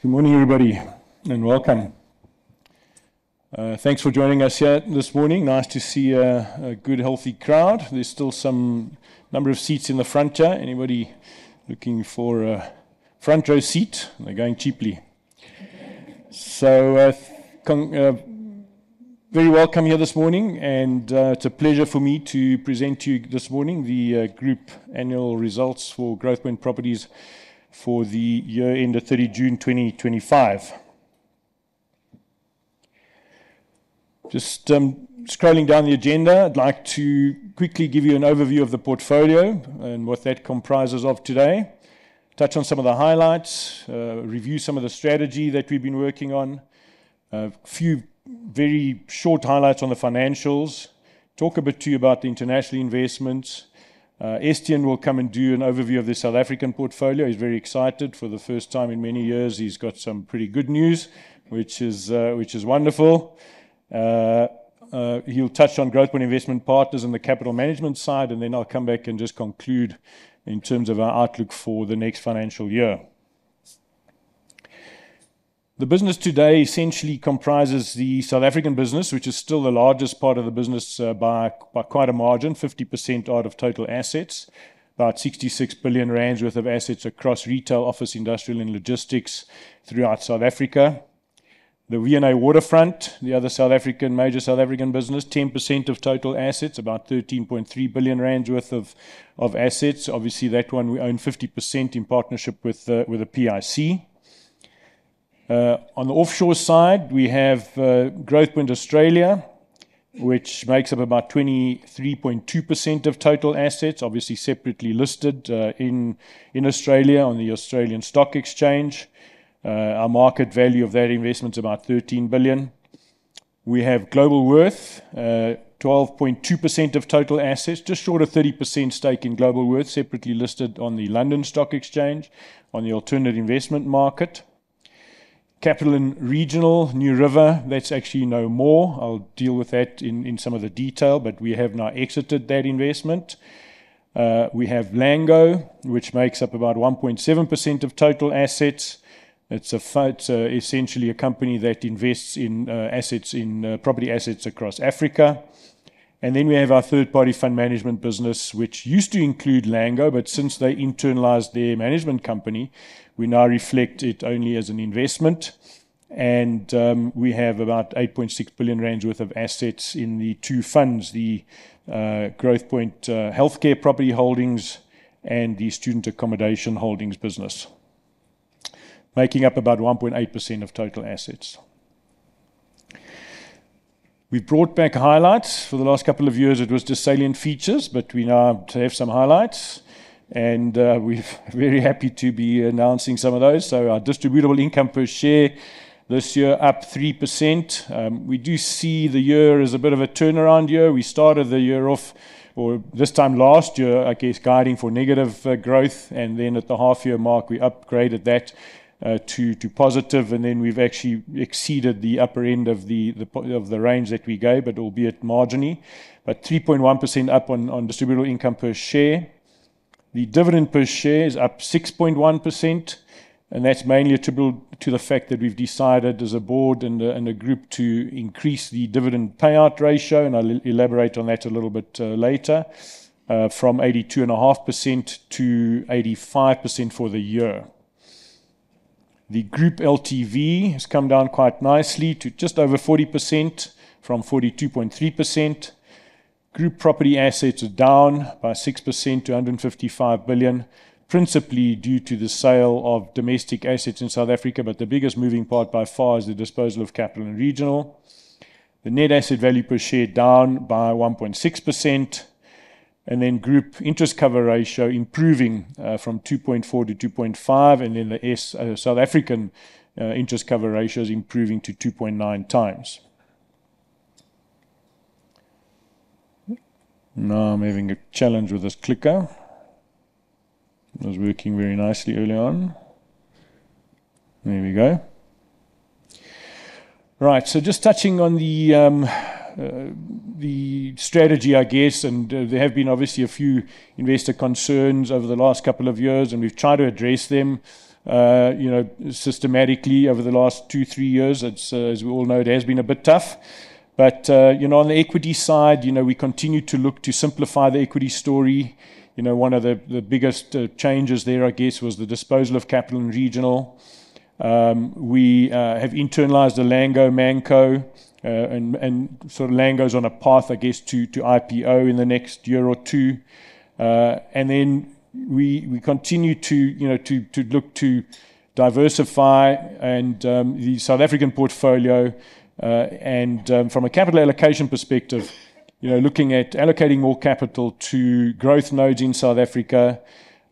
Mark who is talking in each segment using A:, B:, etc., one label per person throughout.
A: Good morning, everybody, and welcome. Thanks for joining us here this morning. Nice to see a good, healthy crowd. There's still some number of seats in the front. Anybody looking for a front row seat? They're going cheaply. Very welcome here this morning, and it's a pleasure for me to present to you this morning the group annual results for Growthpoint Properties for the year end of 30th June 2025. Just scrolling down the agenda, I'd like to quickly give you an overview of the portfolio and what that comprises of today. Touch on some of the highlights, review some of the strategy that we've been working on, a few very short highlights on the financials, talk a bit to you about the international investments. Estienne will come and do an overview of the South African portfolio. He's very excited for the first time in many years. He's got some pretty good news, which is wonderful. He'll touch on growth and investment partners in the capital management side, and then I'll come back and just conclude in terms of our outlook for the next financial year. The business today essentially comprises the South African business, which is still the largest part of the business by quite a margin, 50% out of total assets, about R66 billion worth of assets across retail, office, industrial, and logistics throughout South Africa. The V&A Waterfront, the other major South African business, 10% of total assets, about R13.3 billion worth of assets. Obviously, that one we own 50% in partnership with the PIC. On the offshore side, we have Growthpoint Australia, which makes up about 23.2% of total assets, obviously separately listed in Australia on the Australian Stock Exchange. Our market value of that investment is about R13 billion. We have Globalworth, 12.2% of total assets, just short of 30% stake in Globalworth, separately listed on the London Stock Exchange on the Alternative Investment Market. Capital & Regional, NewRiver, that's actually no more. I'll deal with that in some of the detail, but we have now exited that investment. We have Lango, which makes up about 1.7% of total assets. It's essentially a company that invests in property assets across Africa. We have our third-party funds management business, which used to include Lango, but since they internalized their management company, we now reflect it only as an investment. We have about R8.6 billion worth of assets in the two funds, the Growthpoint Healthcare Property Holdings and the Student Accommodation Holdings business, making up about 1.8% of total assets. We have brought back highlights. For the last couple of years, it was just salient features, but we now have some highlights. We are very happy to be announcing some of those. Our distributable income per share this year is up 3%. We do see the year as a bit of a turnaround year. We started the year off, or this time last year, I guess, guiding for negative growth. At the half-year mark, we upgraded that to positive. We have actually exceeded the upper end of the range that we gave, albeit marginally, but 3.1% up on distributable income per share. The dividend per share is up 6.1%, and that is mainly attributable to the fact that we have decided as a board and a group to increase the dividend payout ratio, and I will elaborate on that a little bit later, from 82.5%-85% for the year. The Group LTV has come down quite nicely to just over 40% from 42.3%. Group property assets are down by 6% to R155 billion, principally due to the sale of domestic assets in South Africa, but the biggest moving part by far is the disposal of Capital & Regional. The net asset value per share is down by 1.6%. The Group interest cover ratio is improving from 2.4%-2.5%. The South African interest cover ratio is improving to 2.9x. Now I am having a challenge with this clicker. It was working very nicely early on. There we go. Right, just touching on the strategy, I guess, and there have been obviously a few investor concerns over the last couple of years, and we have tried to address them systematically over the last two, three years. As we all know, it has been a bit tough. On the equity side, we continue to look to simplify the equity story. One of the biggest changes there, I guess, was the disposal of Capital & Regional. We internalized the Lango Manco, so Lango is on a path, I guess, to IPO in the next year or two. We continue to look to diversify the South African portfolio. From a capital allocation perspective, we are looking at allocating more capital to growth nodes in South Africa.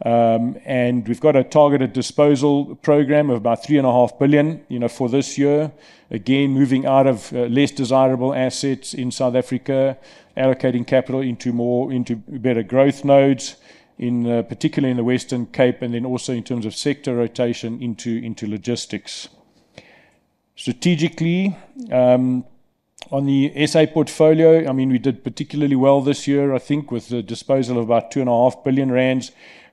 A: We have a targeted disposal program of about R3.5 billion for this year. Again, moving out of less desirable assets in South Africa, allocating capital into more, into better growth nodes, particularly in the Western Cape, and also in terms of sector rotation into logistics. Strategically, on the South African portfolio, we did particularly well this year, I think, with the disposal of about R2.5 billion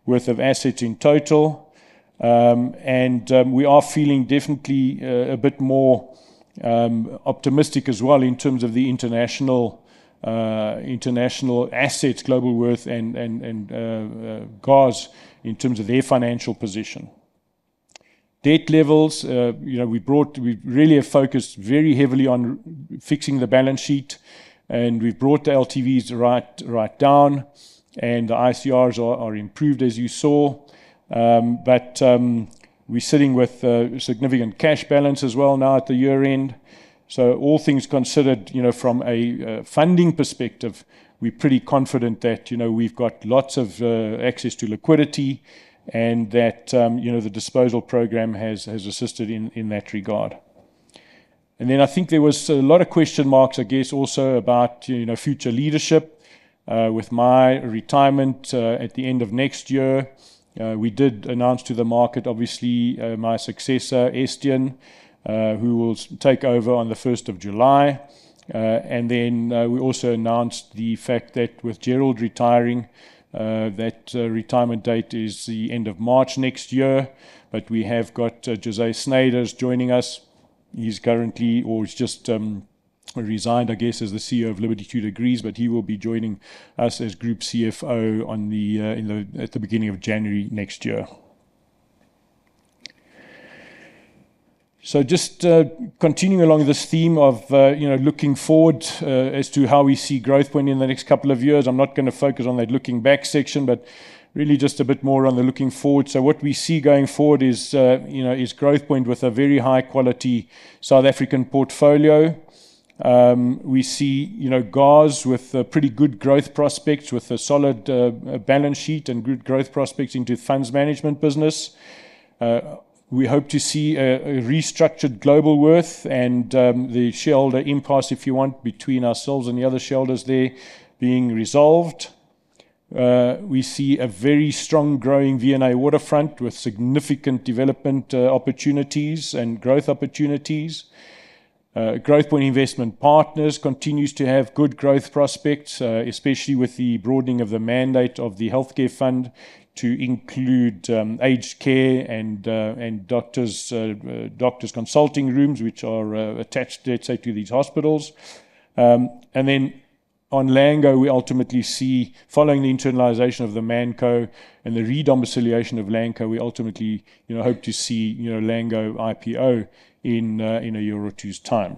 A: worth of assets in total. We are definitely feeling a bit more optimistic as well in terms of the international assets, Globalworth, and GOZ in terms of their financial position. Debt levels, we really have focused very heavily on fixing the balance sheet, and we've brought the LTVs right down, and the ICRs are improved, as you saw. We're sitting with a significant cash balance as well now at the year-end. All things considered, from a funding perspective, we're pretty confident that we've got lots of access to liquidity and that the targeted disposal program has assisted in that regard. I think there was a lot of question marks, I guess, also about future leadership. With my retirement at the end of next year, we did announce to the market, obviously, my successor, Estienne, who will take over on the 1st of July. We also announced the fact that with Gerald retiring, that retirement date is the end of March next year. We have got José Snyders joining us. He's currently, or he's just resigned, I guess, as the CEO of Liberty Two Degrees, but he will be joining us as Group CFO at the beginning of January next year. Just continuing along this theme of looking forward as to how we see Growthpoint in the next couple of years. I'm not going to focus on that looking back section, but really just a bit more on the looking forward. What we see going forward is Growthpoint with a very high-quality South African portfolio. We see GOZ with pretty good growth prospects with a solid balance sheet and good growth prospects into the funds management business. We hope to see a restructured Globalworth and the shareholder impulse, if you want, between ourselves and the other shareholders there being resolved. We see a very strong growing V&A Waterfront with significant development opportunities and growth opportunities. Growthpoint Investment Partners continues to have good growth prospects, especially with the broadening of the mandate of the healthcare fund to include aged care and doctors' consulting rooms, which are attached, let's say, to these hospitals. On Lango, we ultimately see, following the internalization of the management company and the re-domiciliation of Lango, we ultimately, you know, hope to see, you know, Lango IPO in a year or two's time.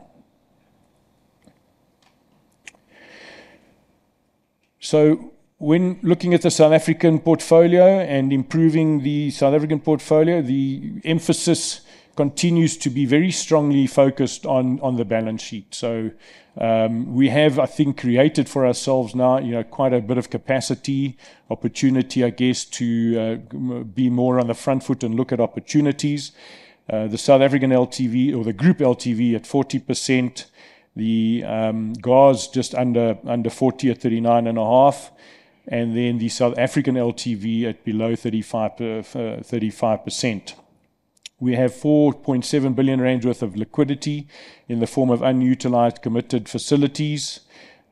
A: When looking at the South African portfolio and improving the South African portfolio, the emphasis continues to be very strongly focused on the balance sheet. We have, I think, created for ourselves now, you know, quite a bit of capacity, opportunity, I guess, to be more on the front foot and look at opportunities. The South African LTV, or the Group LTV, at 40%, the GOZ just under 40% or 39.5%, and then the South African LTV at below 35%. We have R4.7 billion worth of liquidity in the form of unutilized committed facilities.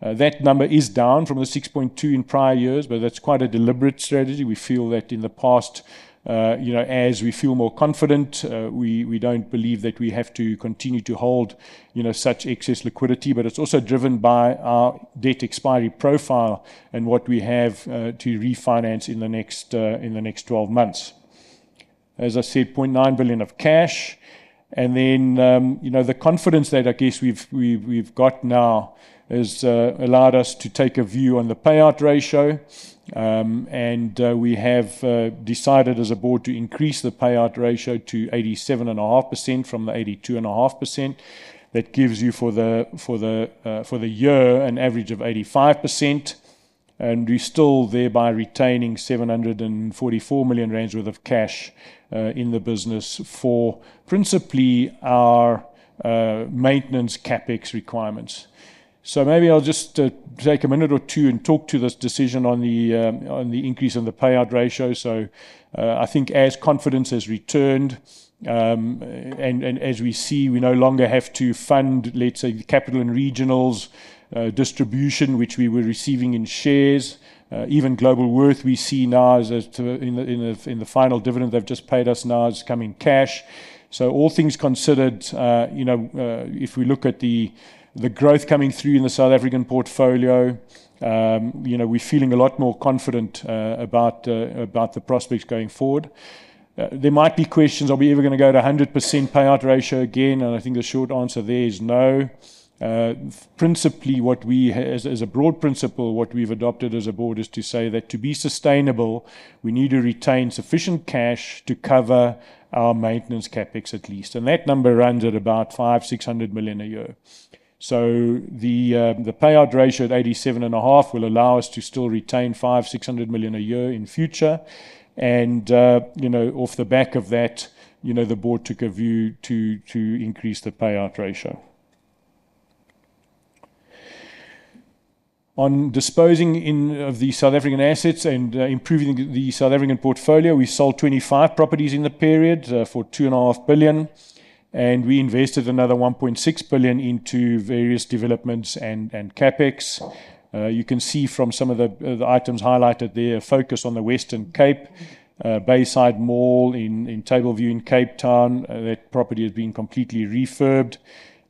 A: That number is down from the R6.2 billion in prior years, but that's quite a deliberate strategy. We feel that in the past, you know, as we feel more confident, we don't believe that we have to continue to hold, you know, such excess liquidity, but it's also driven by our debt expiry profile and what we have to refinance in the next 12 months. As I said, R900,000 million of cash. The confidence that I guess we've got now has allowed us to take a view on the payout ratio. We have decided as a board to increase the payout ratio to 87.5% from the 82.5%. That gives you for the year an average of 85%. We're still thereby retaining R744 million worth of cash in the business for principally our maintenance CapEx requirements. Maybe I'll just take a minute or two and talk to this decision on the increase in the payout ratio. I think as confidence has returned, and as we see, we no longer have to fund, let's say, the Capital & Regional's distribution, which we were receiving in shares. Even Globalworth, we see now is that in the final dividend they've just paid us now is coming cash. All things considered, you know, if we look at the growth coming through in the South African portfolio, you know, we're feeling a lot more confident about the prospects going forward. There might be questions, are we ever going to go to 100% payout ratio again? I think the short answer there is no. Principally, what we, as a broad principle, what we've adopted as a board is to say that to be sustainable, we need to retain sufficient cash to cover our maintenance CapEx at least. That number runs at about R500 million, R600 million a year. The payout ratio at 87.5% will allow us to still retain R500 million, R600 million a year in future. Off the back of that, the board took a view to increase the payout ratio. On disposing of the South African assets and improving the South African portfolio, we sold 25 properties in the period for R2.5 billion. We invested another R1.6 billion into various developments and CapEx. You can see from some of the items highlighted there, a focus on the Western Cape, Bayside Mall in Table View in Cape Town. That property has been completely refurbished.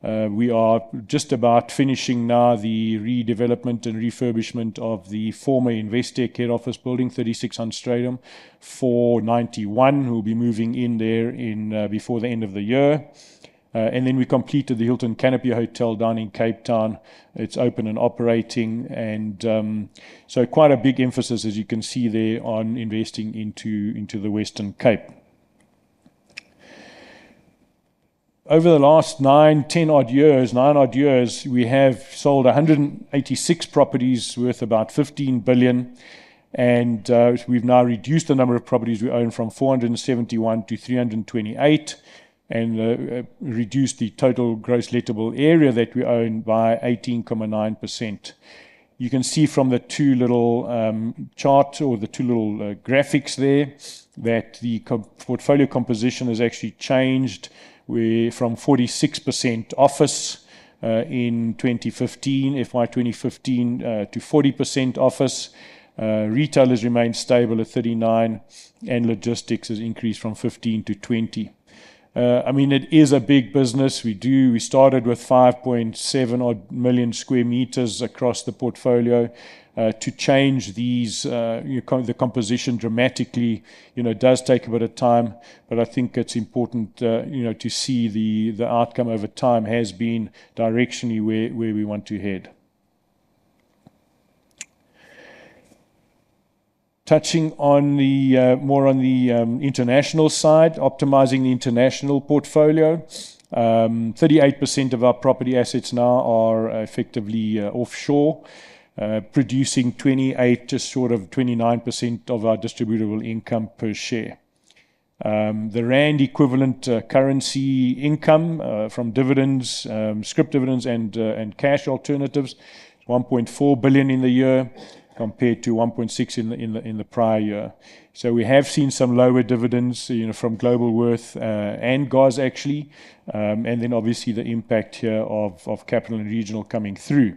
A: We are just about finishing now the redevelopment and refurbishment of the former Investor Care Office Building, 3600 Stradum 491, who will be moving in there before the end of the year. We completed the Hilton Canopy Hotel down in Cape Town. It's open and operating. Quite a big emphasis, as you can see there, on investing into the Western Cape. Over the last nine, ten odd years, nine odd years, we have sold 186 properties worth about R15 billion. We've now reduced the number of properties we own from 471-328 and reduced the total gross lettable area that we own by 18.9%. You can see from the two little charts or the two little graphics there that the portfolio composition has actually changed from 46% office in 2015, FY 2015, to 40% office. Retail has remained stable at 39% and logistics has increased from 15%-20%. It is a big business. We started with 5.7 million square meters across the portfolio. To change these, the composition dramatically does take a bit of time, but I think it's important to see the outcome over time has been directionally where we want to head. Touching more on the international side, optimizing the international portfolio, 38% of our property assets now are effectively offshore, producing 28%-29% of our distributable income per share. The rand equivalent currency income from dividends, strip dividends, and cash alternatives, R1.4 billion in the year compared to R1.6 billion in the prior year. We have seen some lower dividends from Globalworth and GOZ, actually. Obviously, the impact here of Capital & Regional coming through.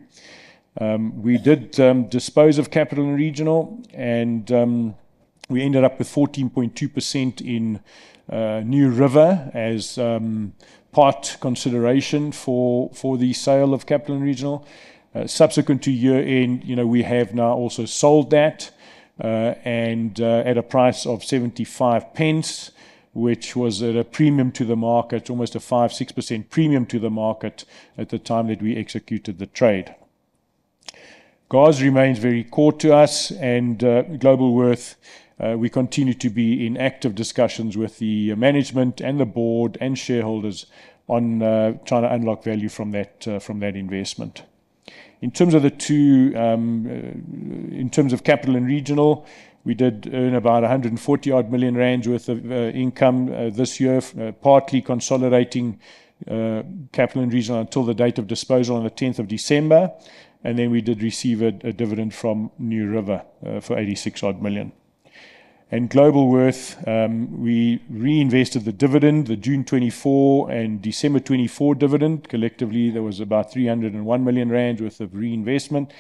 A: We did dispose of Capital & Regional and we ended up with 14.2% in NewRiver as part consideration for the sale of Capital & Regional. Subsequent to year-end, you know, we have now also sold that at a price of £0.75, which was at a premium to the market, almost a 5%-6% premium to the market at the time that we executed the trade. GOZ remains very core to us and Globalworth. We continue to be in active discussions with the management and the board and shareholders on trying to unlock value from that investment. In terms of the two, in terms of Capital & Regional, we did earn about R140 million worth of income this year, partly consolidating Capital & Regional until the date of disposal on the 10th of December. We did receive a dividend from NewRiver for R86 million. In Globalworth, we reinvested the dividend, the June 2024 and December 2024 dividend. Collectively, there was about R301 million worth of reinvestment.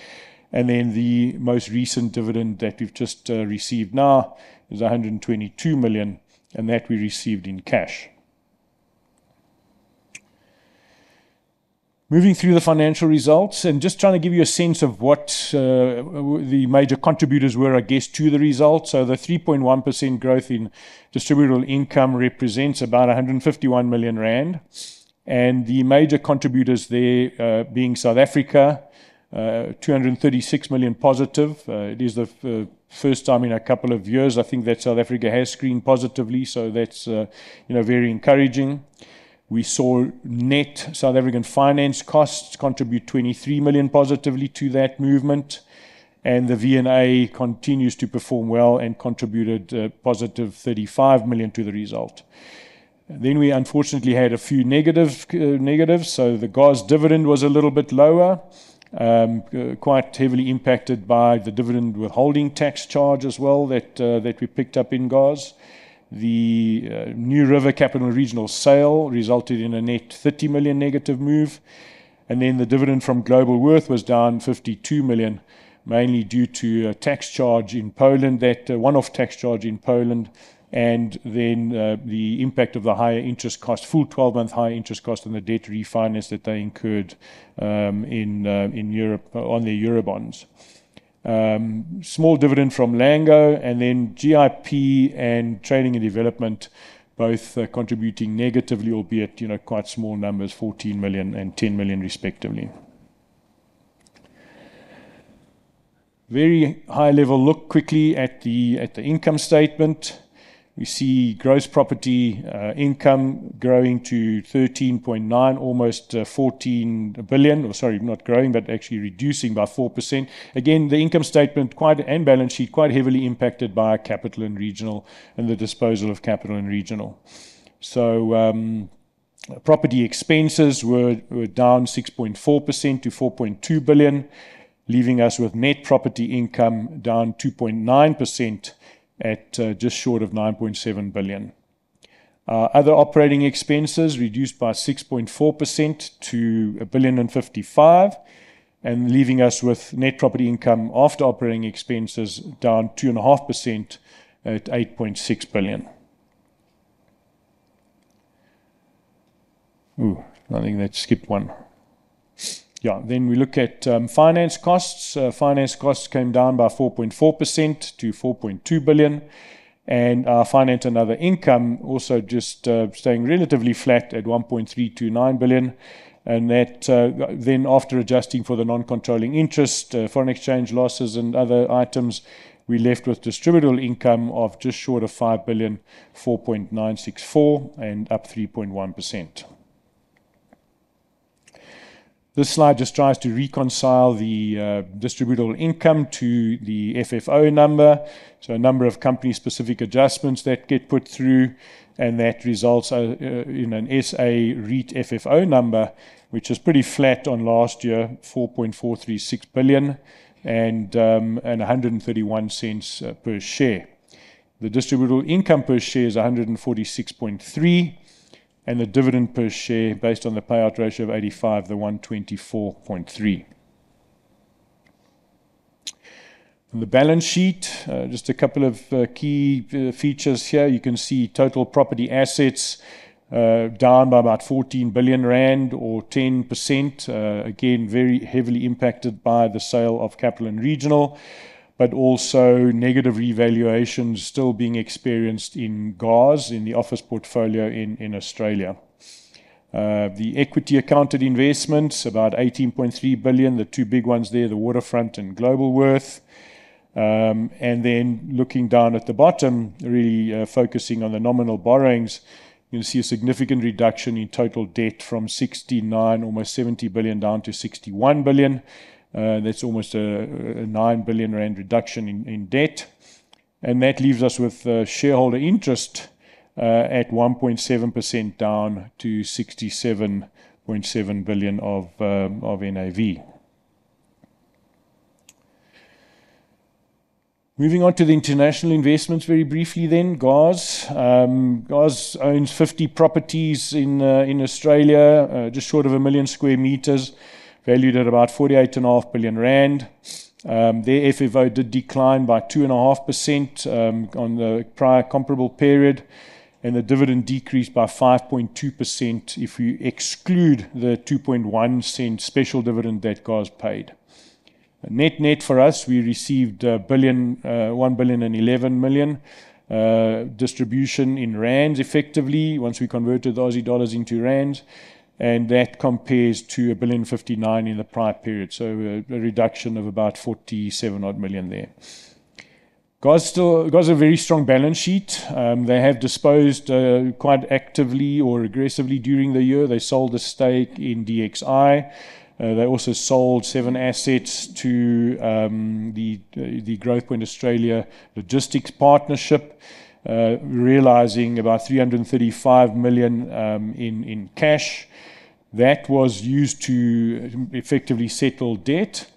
A: The most recent dividend that we've just received now was R122 million, and that we received in cash. Moving through the financial results and just trying to give you a sense of what the major contributors were, I guess, to the results. The 3.1% growth in distributable income represents about R151 million. The major contributors there being South Africa, R236 million positive. It is the first time in a couple of years, I think, that South Africa has screened positively. That's very encouraging. We saw net South African finance costs contribute R23 million positively to that movement. The V&A continues to perform well and contributed positive R35 million to the result. We unfortunately had a few negatives. The GOZ dividend was a little bit lower, quite heavily impacted by the dividend withholding tax charge as well that we picked up in GOZ. The NewRiver Capital & Regional sale resulted in a net R30 million negative move. The dividend from Globalworth was down R52 million, mainly due to a tax charge in Poland, that one-off tax charge in Poland, and the impact of the higher interest cost, full 12-month higher interest cost on the debt refinance that they incurred in Europe, on their Eurobonds. Small dividend from Lango, and then GIP and Trading and Development both contributing negatively, albeit quite small numbers, R14 million and R10 million respectively. Very high-level look quickly at the income statement. We see gross property income growing to R13.9 billion, almost R14 billion, or sorry, not growing, but actually reducing by 4%. Again, the income statement and balance sheet are quite heavily impacted by Capital & Regional and the disposal of Capital & Regional. Property expenses were down 6.4% to R4.2 billion, leaving us with net property income down 2.9% at just short of R9.7 billion. Other operating expenses reduced by 6.4% to R1.55 billion, leaving us with net property income after operating expenses down 2.5% at R8.6 billion. I think I skipped one. Then we look at finance costs. Finance costs came down by 4.4% to R4.2 billion. Our finance and other income also just staying relatively flat at R1.329 billion. After adjusting for the non-controlling interest, foreign exchange losses, and other items, we are left with distributable income of just short of R5 billion, R4.964 billion, and up 3.1%. This slide just tries to reconcile the distributable income to the FFO number. A number of company-specific adjustments get put through, and that results in an SA REIT FFO number, which is pretty flat on last year, R4.436 billion and R1.31 per share. The distributable income per share is R1.463, and the dividend per share, based on the payout ratio of 85%, is R1.243. On the balance sheet, just a couple of key features here. You can see total property assets down by about R14 billion or 10%. Again, very heavily impacted by the sale of Capital & Regional, but also negative revaluations still being experienced in GOZ in the office portfolio in Australia. The equity accounted investments, about R18.3 billion, the two big ones there, the Waterfront and Globalworth. Looking down at the bottom, really focusing on the nominal borrowings, you'll see a significant reduction in total debt from R69 billion, almost R70 billion, down to R61 billion. That's almost a R9 billion reduction in debt. That leaves us with shareholder interest at 1.7% down to R67.7 billion of NAV. Moving on to the international investments very briefly then, GOZ. GOZ owns 50 properties in Australia, just short of a million square meters, valued at about R48.5 billion. Their FFO did decline by 2.5% on the prior comparable period, and the dividend decreased by 5.2% if you exclude the R0.021 special dividend that GOZ paid. Net net for us, we received R1.11 billion distribution in rands effectively once we converted those dollars into rands, and that compares to R1.59 billion in the prior period. A reduction of about R47 million there. GOZ has a very strong balance sheet. They have disposed quite actively or aggressively during the year. They sold the stake in DXI. They also sold seven assets to the Growthpoint Australia Logistics Partnership, realizing about A$335 million in cash. That was used to effectively settle debt,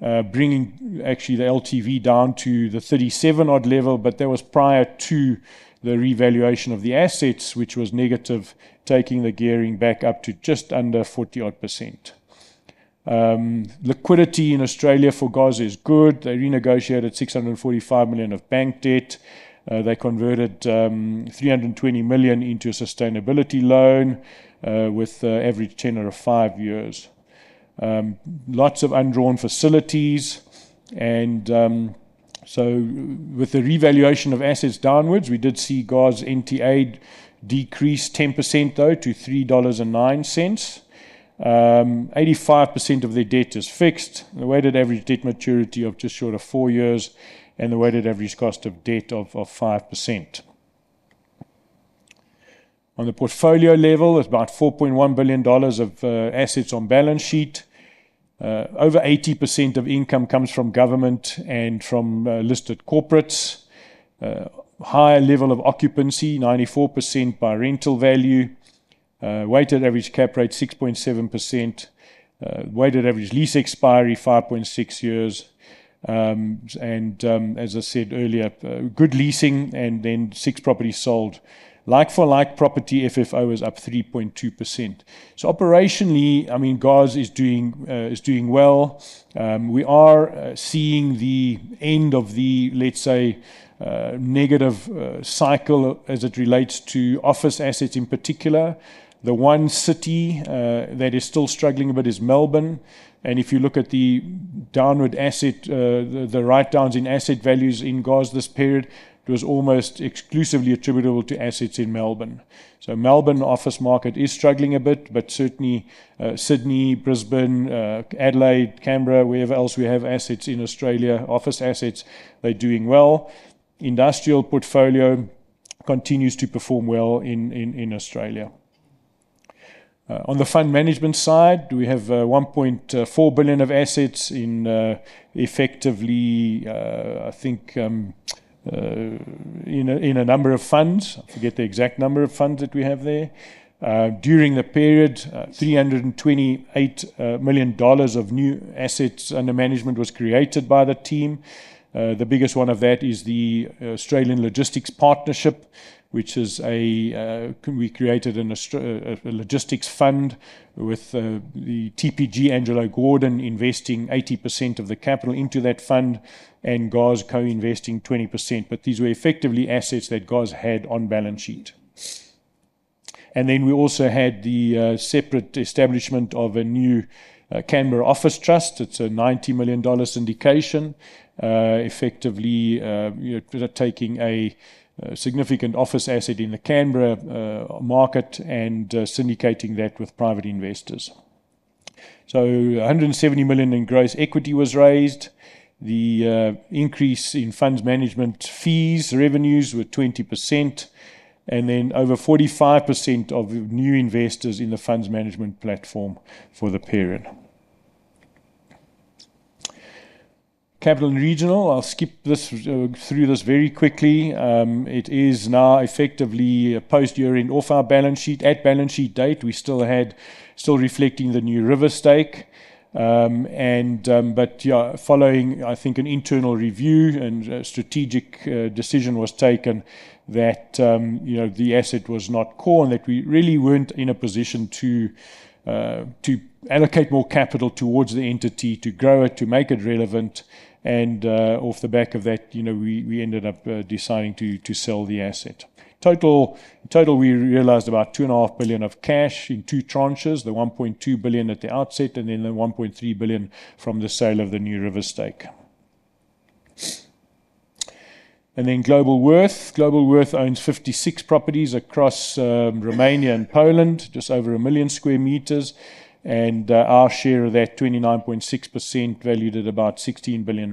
A: bringing actually the LTV down to the 37% level, but that was prior to the revaluation of the assets, which was negative, taking the gearing back up to just under 40%. Liquidity in Australia for GOZ is good. They renegotiated A$645 million of bank debt. They converted A$320 million into a sustainability loan with average tenor of five years. Lots of undrawn facilities. With the revaluation of assets downwards, we did see GOZ's NTA decrease 10% to A$3.09. 85% of their debt is fixed, the weighted average debt maturity of just short of four years, and the weighted average cost of debt of 5%. On the portfolio level, there's about A$4.1 billion of assets on balance sheet. Over 80% of income comes from government and from listed corporates. Higher level of occupancy, 94% by rental value. Weighted average cap rate 6.7%. Weighted average lease expiry 5.6 years. As I said earlier, good leasing and then six properties sold. Like-for-like property FFO is up 3.2%. Operationally, GOZ is doing well. We are seeing the end of the, let's say, negative cycle as it relates to office assets in particular. The one city that is still struggling a bit is Melbourne. If you look at the downward asset, the write-downs in asset values in GOZ this period, it was almost exclusively attributable to assets in Melbourne. Melbourne office market is struggling a bit, but certainly Sydney, Brisbane, Adelaide, Canberra, wherever else we have assets in Australia, office assets, they're doing well. Industrial portfolio continues to perform well in Australia. On the funds management side, we have A$1.4 billion of assets in, effectively, I think, a number of funds. I forget the exact number of funds that we have there. During the period, A$328 million of new assets under management was created by the team. The biggest one of that is the Growthpoint Australia Logistics Partnership, which is a, we created a logistics fund with TPG, Angelo Gordon, investing 80% of the capital into that fund and GOZ co-investing 20%. These were effectively assets that GOZ had on balance sheet. We also had the separate establishment of a new Canberra Office Trust. It's a A$90 million syndication, effectively taking a significant office asset in the Canberra market and syndicating that with private investors. A$170 million in gross equity was raised. The increase in funds management fees revenues was 20%, and then over 45% of new investors in the funds management platform for the period. Capital & Regional, I'll skip through this very quickly. It is now effectively post year-end off our balance sheet. At balance sheet date, we were still reflecting the NewRiver stake. Following, I think, an internal review and a strategic decision was taken that the asset was not core and that we really weren't in a position to allocate more capital towards the entity to grow it, to make it relevant. Off the back of that, we ended up deciding to sell the asset. Total, we realized about R2.5 billion of cash in two tranches, the R1.2 billion at the outset and then the R1.3 billion from the sale of the NewRiver stake. Globalworth owns 56 properties across Romania and Poland, just over a million square meters, and our share of that, 29.6%, valued at about R16 billion.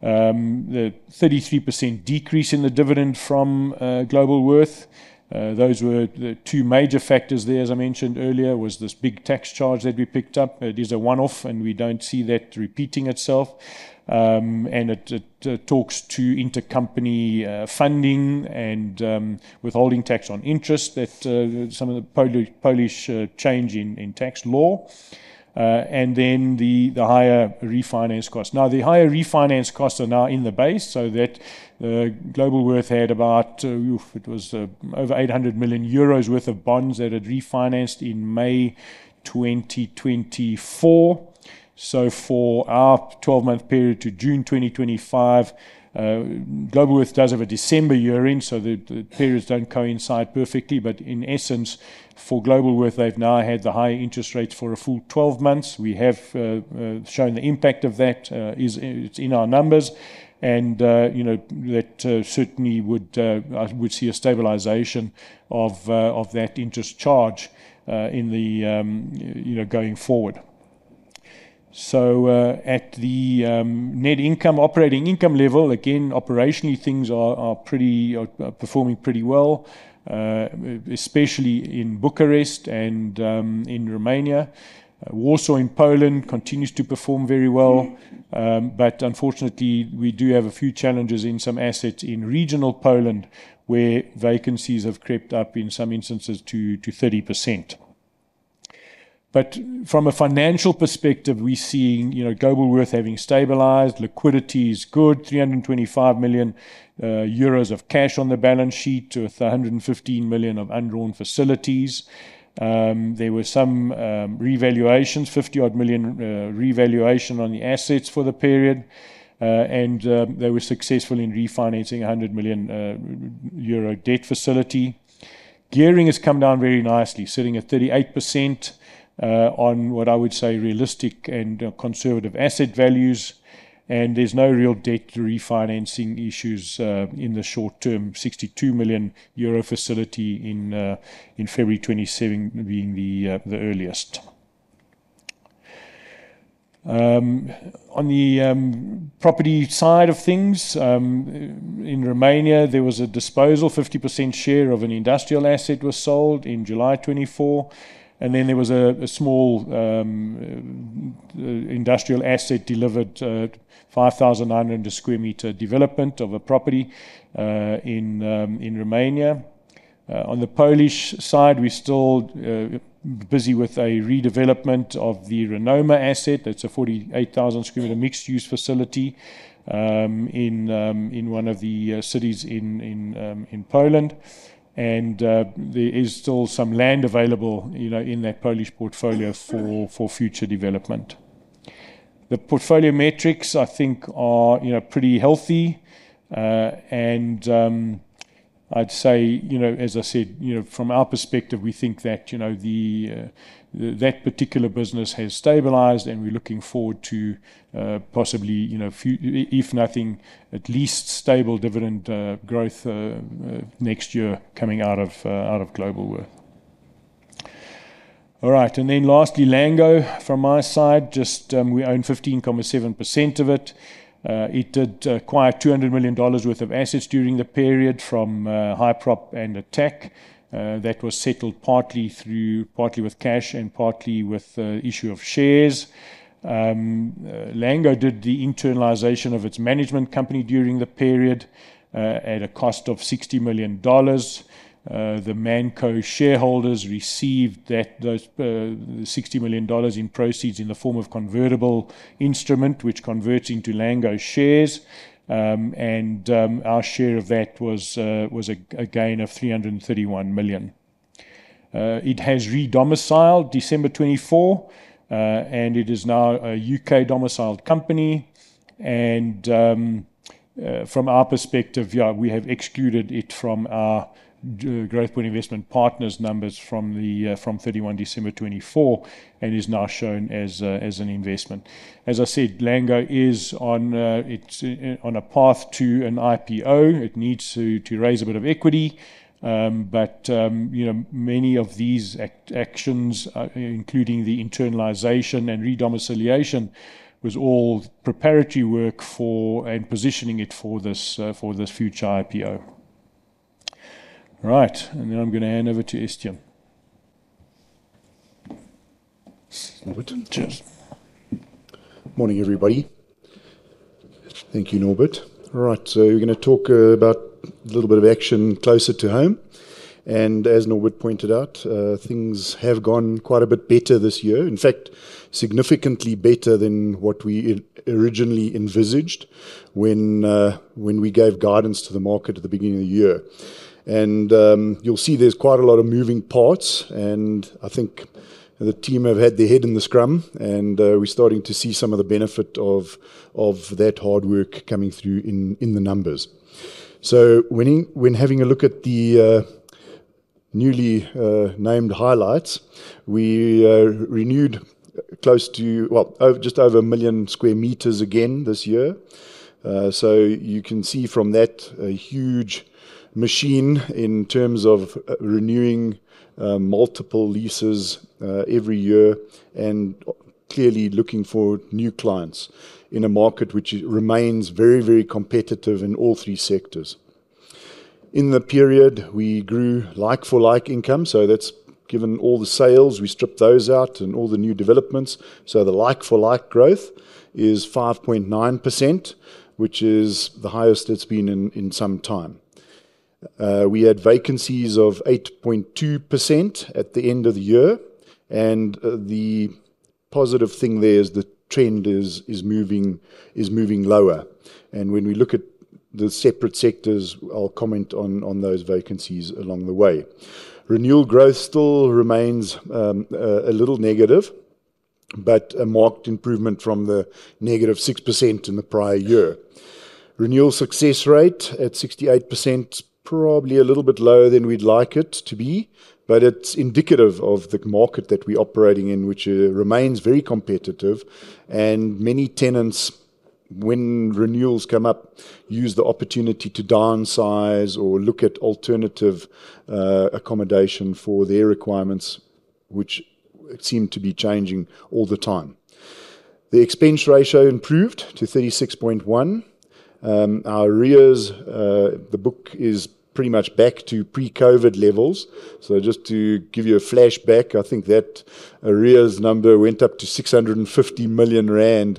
A: The 33% decrease in the dividend from Globalworth, those were the two major factors there. As I mentioned earlier, was this big tax charge that we picked up. It is a one-off and we don't see that repeating itself. It talks to intercompany funding and withholding tax on interest that came from some of the Polish change in tax law and then the higher refinancing costs. The higher refinancing costs are now in the base, so Globalworth had about, it was over €800 million worth of bonds that had refinanced in May 2024. For our 12-month period to June 2025, Globalworth does have a December year-end, so the periods don't coincide perfectly. In essence, for Globalworth, they've now had the higher interest rates for a full 12 months. We have shown the impact of that. It's in our numbers, and that certainly would see a stabilization of that interest charge going forward. At the net income, operating income level, operationally, things are performing pretty well, especially in Bucharest and in Romania. Warsaw in Poland continues to perform very well. Unfortunately, we do have a few challenges in some assets in regional Poland where vacancies have crept up in some instances to 30%. From a financial perspective, we see Globalworth having stabilized, liquidity is good, €325 million of cash on the balance sheet with €115 million of undrawn facilities. There were some revaluations, €50 million revaluation on the assets for the period. They were successful in refinancing a €100 million debt facility. Gearing has come down very nicely, sitting at 38% on what I would say are realistic and conservative asset values. There is no real debt refinancing issue in the short term, €62 million facility in February 2027 being the earliest. On the property side of things, in Romania, there was a disposal, 50% share of an industrial asset was sold in July 2024. There was a small industrial asset delivered, 5,900 square meter development of a property in Romania. On the Polish side, we're still busy with a redevelopment of the Renoma asset. That's a 48,000 square meter mixed-use facility in one of the cities in Poland. There is still some land available in that Polish portfolio for future development. The portfolio metrics, I think, are pretty healthy. As I said, from our perspective, we think that particular business has stabilized and we're looking forward to possibly, if nothing, at least stable dividend growth next year coming out of Globalworth. Lastly, Lango from my side, we own 15.7% of it. It did acquire $200 million worth of assets during the period from Hyperop and ATT&CK. That was settled partly with cash and partly with the issue of shares. Lango did the internalization of its management company during the period at a cost of $60 million. The Manco shareholders received those $60 million in proceeds in the form of a convertible instrument, which converts into Lango shares. Our share of that was again $331 million. It has re-domiciled December 2024, and it is now a U.K.-domiciled company. From our perspective, we have excluded it from our Growthpoint Investment Partners numbers from 31st December 2024 and it is now shown as an investment. As I said, Lango is on a path to an IPO. It needs to raise a bit of equity. Many of these actions, including the internalization and re-domiciliation, was all preparatory work for and positioning it for this future IPO. All right. I'm going to hand over to Estienne.
B: Morning, everybody. Thank you, Norbert. All right. We're going to talk about a little bit of action closer to home. As Norbert pointed out, things have gone quite a bit better this year. In fact, significantly better than what we originally envisaged when we gave guidance to the market at the beginning of the year. You'll see there's quite a lot of moving parts. I think the team have had their head in the scrub, and we're starting to see some of the benefit of that hard work coming through in the numbers. When having a look at the newly named highlights, we renewed close to, well, just over a million square meters again this year. You can see from that a huge machine in terms of renewing multiple leases every year and clearly looking for new clients in a market which remains very, very competitive in all three sectors. In the period, we grew like-for-like income. That's given all the sales, we stripped those out and all the new developments. The like-for-like growth is 5.9%, which is the highest it's been in some time. We had vacancies of 8.2% at the end of the year. The positive thing there is the trend is moving lower. When we look at the separate sectors, I'll comment on those vacancies along the way. Renewal growth still remains a little negative, but a marked improvement from the negative 6% in the prior year. Renewal success rate at 68% is probably a little bit lower than we'd like it to be, but it's indicative of the market that we're operating in, which remains very competitive. Many tenants, when renewals come up, use the opportunity to downsize or look at alternative accommodation for their requirements, which seem to be changing all the time. The expense ratio improved to 36.1%. Our REERs, the book is pretty much back to pre-COVID levels. Just to give you a flashback, I think that REERs number went up to R650 million in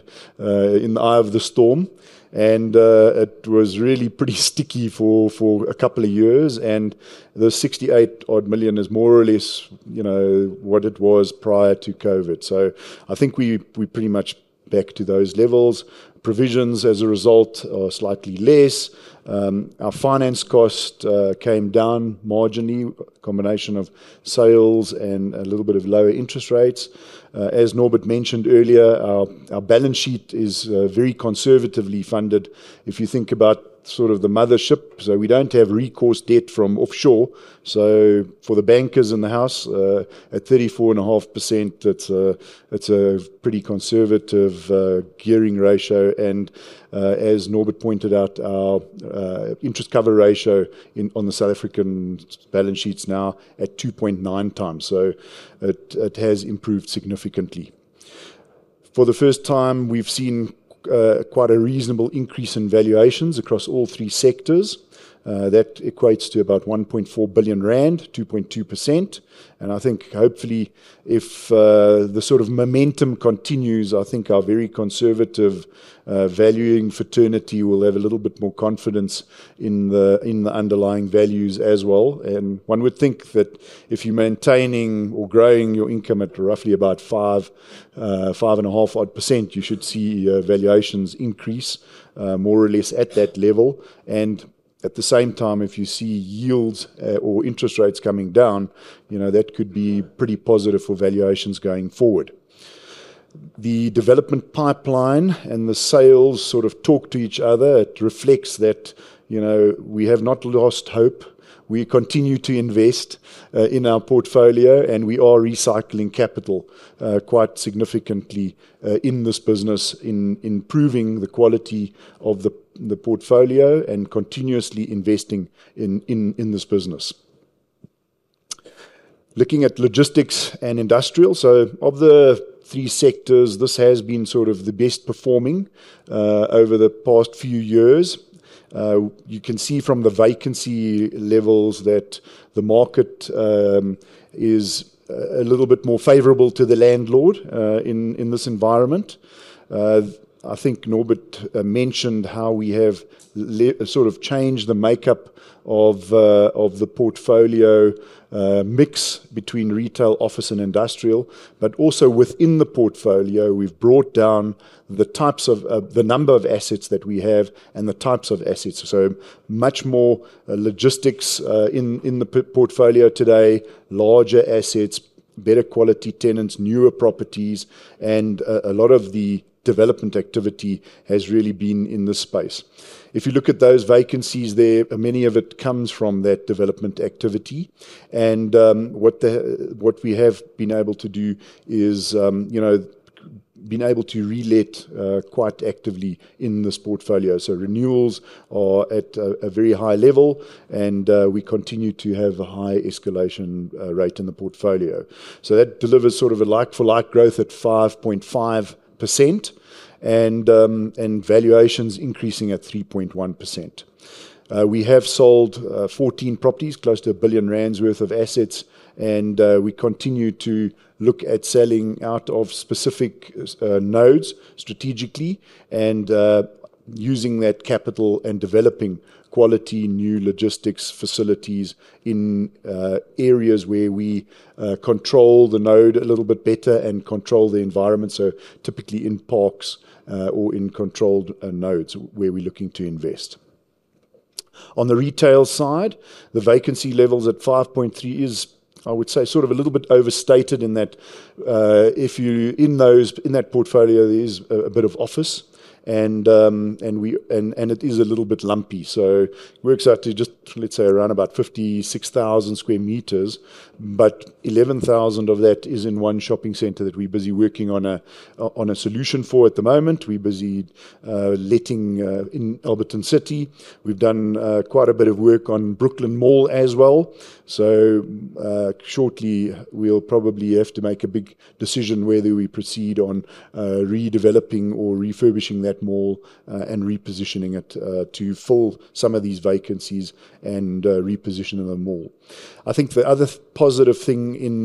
B: the eye of the storm. It was really pretty sticky for a couple of years. The 68 odd million is more or less, you know, what it was prior to COVID. I think we're pretty much back to those levels. Provisions as a result are slightly less. Our finance cost came down marginally, a combination of sales and a little bit of lower interest rates. As Norbert mentioned earlier, our balance sheet is very conservatively funded. If you think about sort of the mothership, we don't have recourse debt from offshore. For the bankers in the house, at 34.5%, that's a pretty conservative gearing ratio. As Norbert pointed out, our interest cover ratio on the South African balance sheet is now at 2.9x. It has improved significantly. For the first time, we've seen quite a reasonable increase in valuations across all three sectors. That equates to about R1.4 billion, 2.2%. Hopefully, if the sort of momentum continues, our very conservative valuing fraternity will have a little bit more confidence in the underlying values as well. One would think that if you're maintaining or growing your income at roughly about 5.5%, you should see valuations increase more or less at that level. At the same time, if you see yields or interest rates coming down, that could be pretty positive for valuations going forward. The development pipeline and the sales sort of talk to each other. It reflects that we have not lost hope. We continue to invest in our portfolio, and we are recycling capital quite significantly in this business, improving the quality of the portfolio and continuously investing in this business. Looking at logistics and industrial, of the three sectors, this has been the best performing over the past few years. You can see from the vacancy levels that the market is a little bit more favorable to the landlord in this environment. I think Norbert mentioned how we have changed the makeup of the portfolio mix between retail, office, and industrial. Also, within the portfolio, we've brought down the number of assets that we have and the types of assets too. There is much more logistics in the portfolio today, larger assets, better quality tenants, newer properties, and a lot of the development activity has really been in this space. If you look at those vacancies there, many of them come from that development activity. What we have been able to do is relit quite actively in this portfolio. Renewals are at a very high level, and we continue to have a high escalation rate in the portfolio. That delivers a like-for-like growth at 5.5% and valuations increasing at 3.1%. We have sold 14 properties, close to R1 billion worth of assets, and we continue to look at selling out of specific nodes strategically and using that capital and developing quality new logistics facilities in areas where we control the node a little bit better and control the environment. Typically in parks or in controlled nodes where we're looking to invest. On the retail side, the vacancy levels at 5.3% is, I would say, sort of a little bit overstated in that if you're in that portfolio, there is a bit of office, and it is a little bit lumpy. It works out to just, let's say, around about 56,000 square meters, but 11,000 of that is in one shopping center that we're busy working on a solution for at the moment. We're busy letting in Alberton City. We've done quite a bit of work on Brooklyn Mall as well. Shortly, we'll probably have to make a big decision whether we proceed on redeveloping or refurbishing that mall and repositioning it to fill some of these vacancies and repositioning the mall. I think the other positive thing in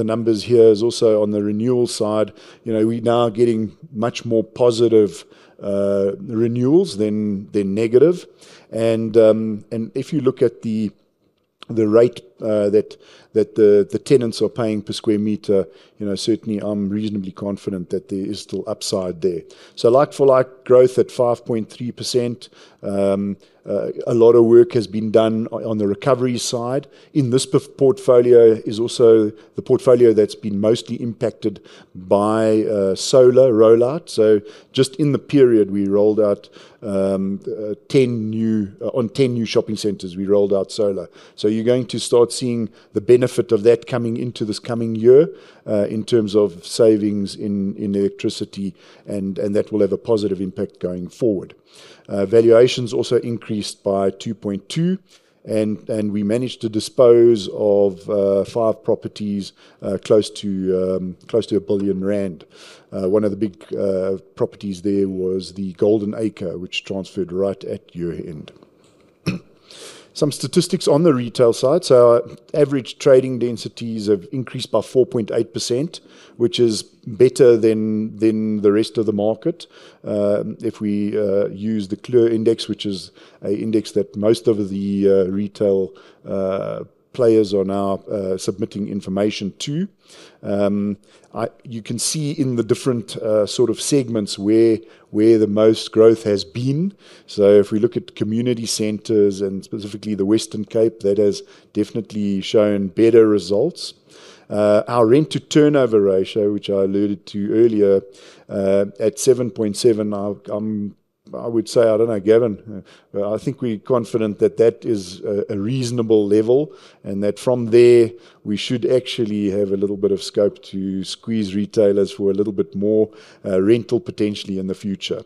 B: the numbers here is also on the renewal side. We're now getting much more positive renewals than negative. If you look at the rate that the tenants are paying per square meter, certainly I'm reasonably confident that there is still upside there. Like-for-like growth at 5.3%. A lot of work has been done on the recovery side. In this portfolio is also the portfolio that's been mostly impacted by solar rollout. Just in the period, we rolled out 10 new shopping centers. We rolled out solar. You're going to start seeing the benefit of that coming into this coming year in terms of savings in electricity, and that will have a positive impact going forward. Valuations also increased by 2.2%, and we managed to dispose of five properties close to R1 billion. One of the big properties there was the Golden Acre, which transferred right at year-end. Some statistics on the retail side. Average trading densities have increased by 4.8%, which is better than the rest of the market. If we use the CLEAR index, which is an index that most of the retail players are now submitting information to, you can see in the different sort of segments where the most growth has been. If we look at community centers and specifically the Western Cape, that has definitely shown better results. Our rent-to-turnover ratio, which I alluded to earlier, at 7.7%, I would say, I don't know, Gavin, I think we're confident that that is a reasonable level and that from there we should actually have a little bit of scope to squeeze retailers for a little bit more rental potentially in the future.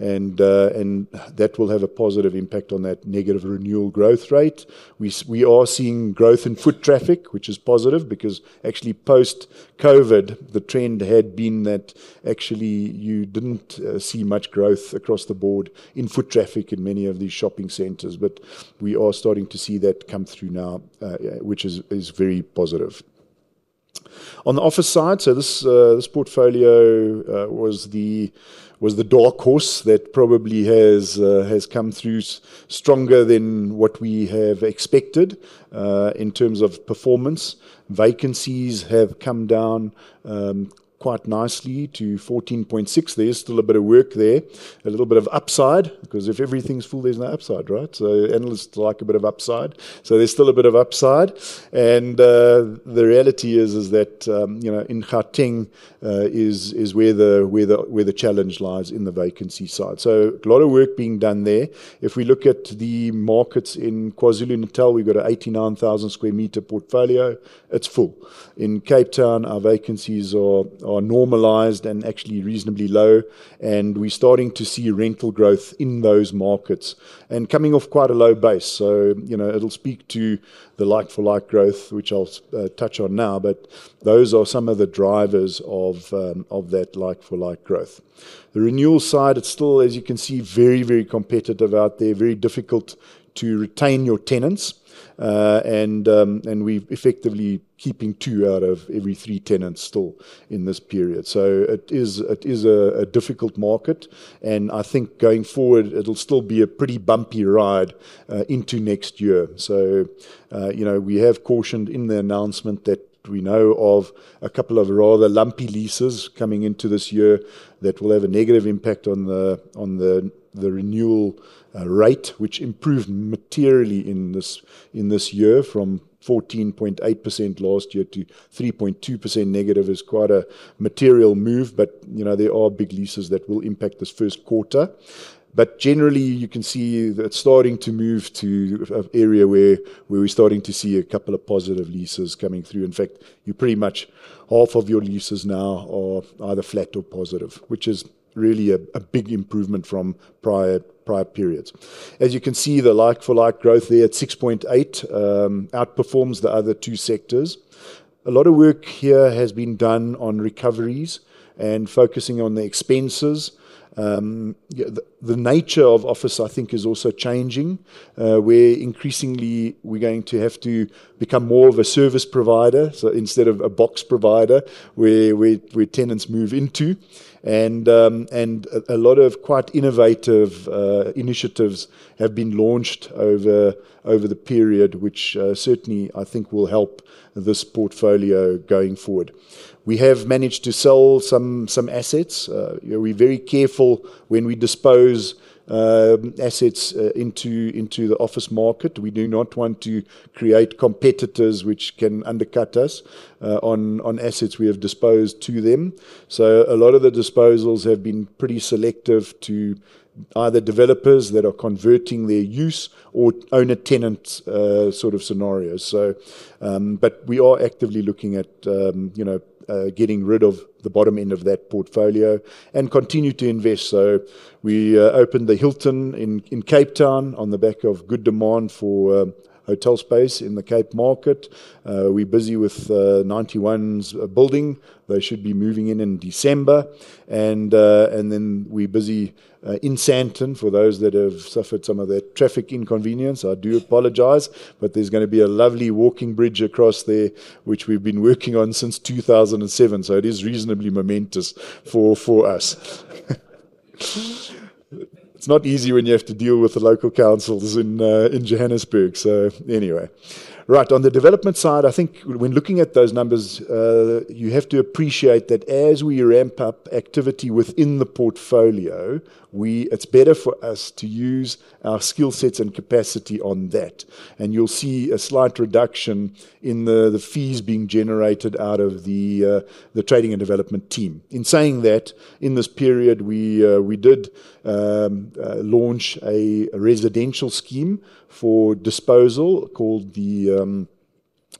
B: That will have a positive impact on that negative renewal growth rate. We are seeing growth in foot traffic, which is positive because actually post-COVID, the trend had been that actually you didn't see much growth across the board in foot traffic in many of these shopping centers. We are starting to see that come through now, which is very positive. On the office side, this portfolio was the dark horse that probably has come through stronger than what we have expected in terms of performance. Vacancies have come down quite nicely to 14.6%. There's still a bit of work there, a little bit of upside because if everything's full, there's no upside, right? Analysts like a bit of upside. There's still a bit of upside. The reality is that, you know, in Gauteng is where the challenge lies in the vacancy side. A lot of work is being done there. If we look at the markets in KwaZulu-Natal, we've got an 89,000 square meter portfolio. It's full. In Cape Town, our vacancies are normalized and actually reasonably low. We're starting to see rental growth in those markets and coming off quite a low base. It'll speak to the like-for-like growth, which I'll touch on now. Those are some of the drivers of that like-for-like growth. The renewal side, it's still, as you can see, very, very competitive out there, very difficult to retain your tenants. We're effectively keeping two out of every three tenants still in this period. It is a difficult market. I think going forward, it'll still be a pretty bumpy ride into next year. We have cautioned in the announcement that we know of a couple of rather lumpy leases coming into this year that will have a negative impact on the renewal rate, which improved materially in this year from 14.8% last year to 3.2% negative. It's quite a material move, but you know, there are big leases that will impact this first quarter. Generally, you can see that it's starting to move to an area where we're starting to see a couple of positive leases coming through. In fact, pretty much half of your leases now are either flat or positive, which is really a big improvement from prior periods. As you can see, the like-for-like growth there at 6.8% outperforms the other two sectors. A lot of work here has been done on recoveries and focusing on the expenses. The nature of office, I think, is also changing, where increasingly we're going to have to become more of a service provider. Instead of a box provider, where tenants move in, a lot of quite innovative initiatives have been launched over the period, which certainly I think will help this portfolio going forward. We have managed to sell some assets. We're very careful when we dispose assets into the office market. We do not want to create competitors which can undercut us on assets we have disposed to them. A lot of the disposals have been pretty selective to either developers that are converting their use or owner-tenant sort of scenarios. We are actively looking at getting rid of the bottom end of that portfolio and continue to invest. We opened the Hilton in Cape Town on the back of good demand for hotel space in the Cape market. We're busy with 91's building. They should be moving in in December. We're busy in Sandton for those that have suffered some of that traffic inconvenience. I do apologize, but there's going to be a lovely walking bridge across there, which we've been working on since 2007. It is reasonably momentous for us. It's not easy when you have to deal with the local councils in Johannesburg. On the development side, I think when looking at those numbers, you have to appreciate that as we ramp up activity within the portfolio, it's better for us to use our skill sets and capacity on that. You'll see a slight reduction in the fees being generated out of the trading and development team. In saying that, in this period, we did launch a residential scheme for disposal called the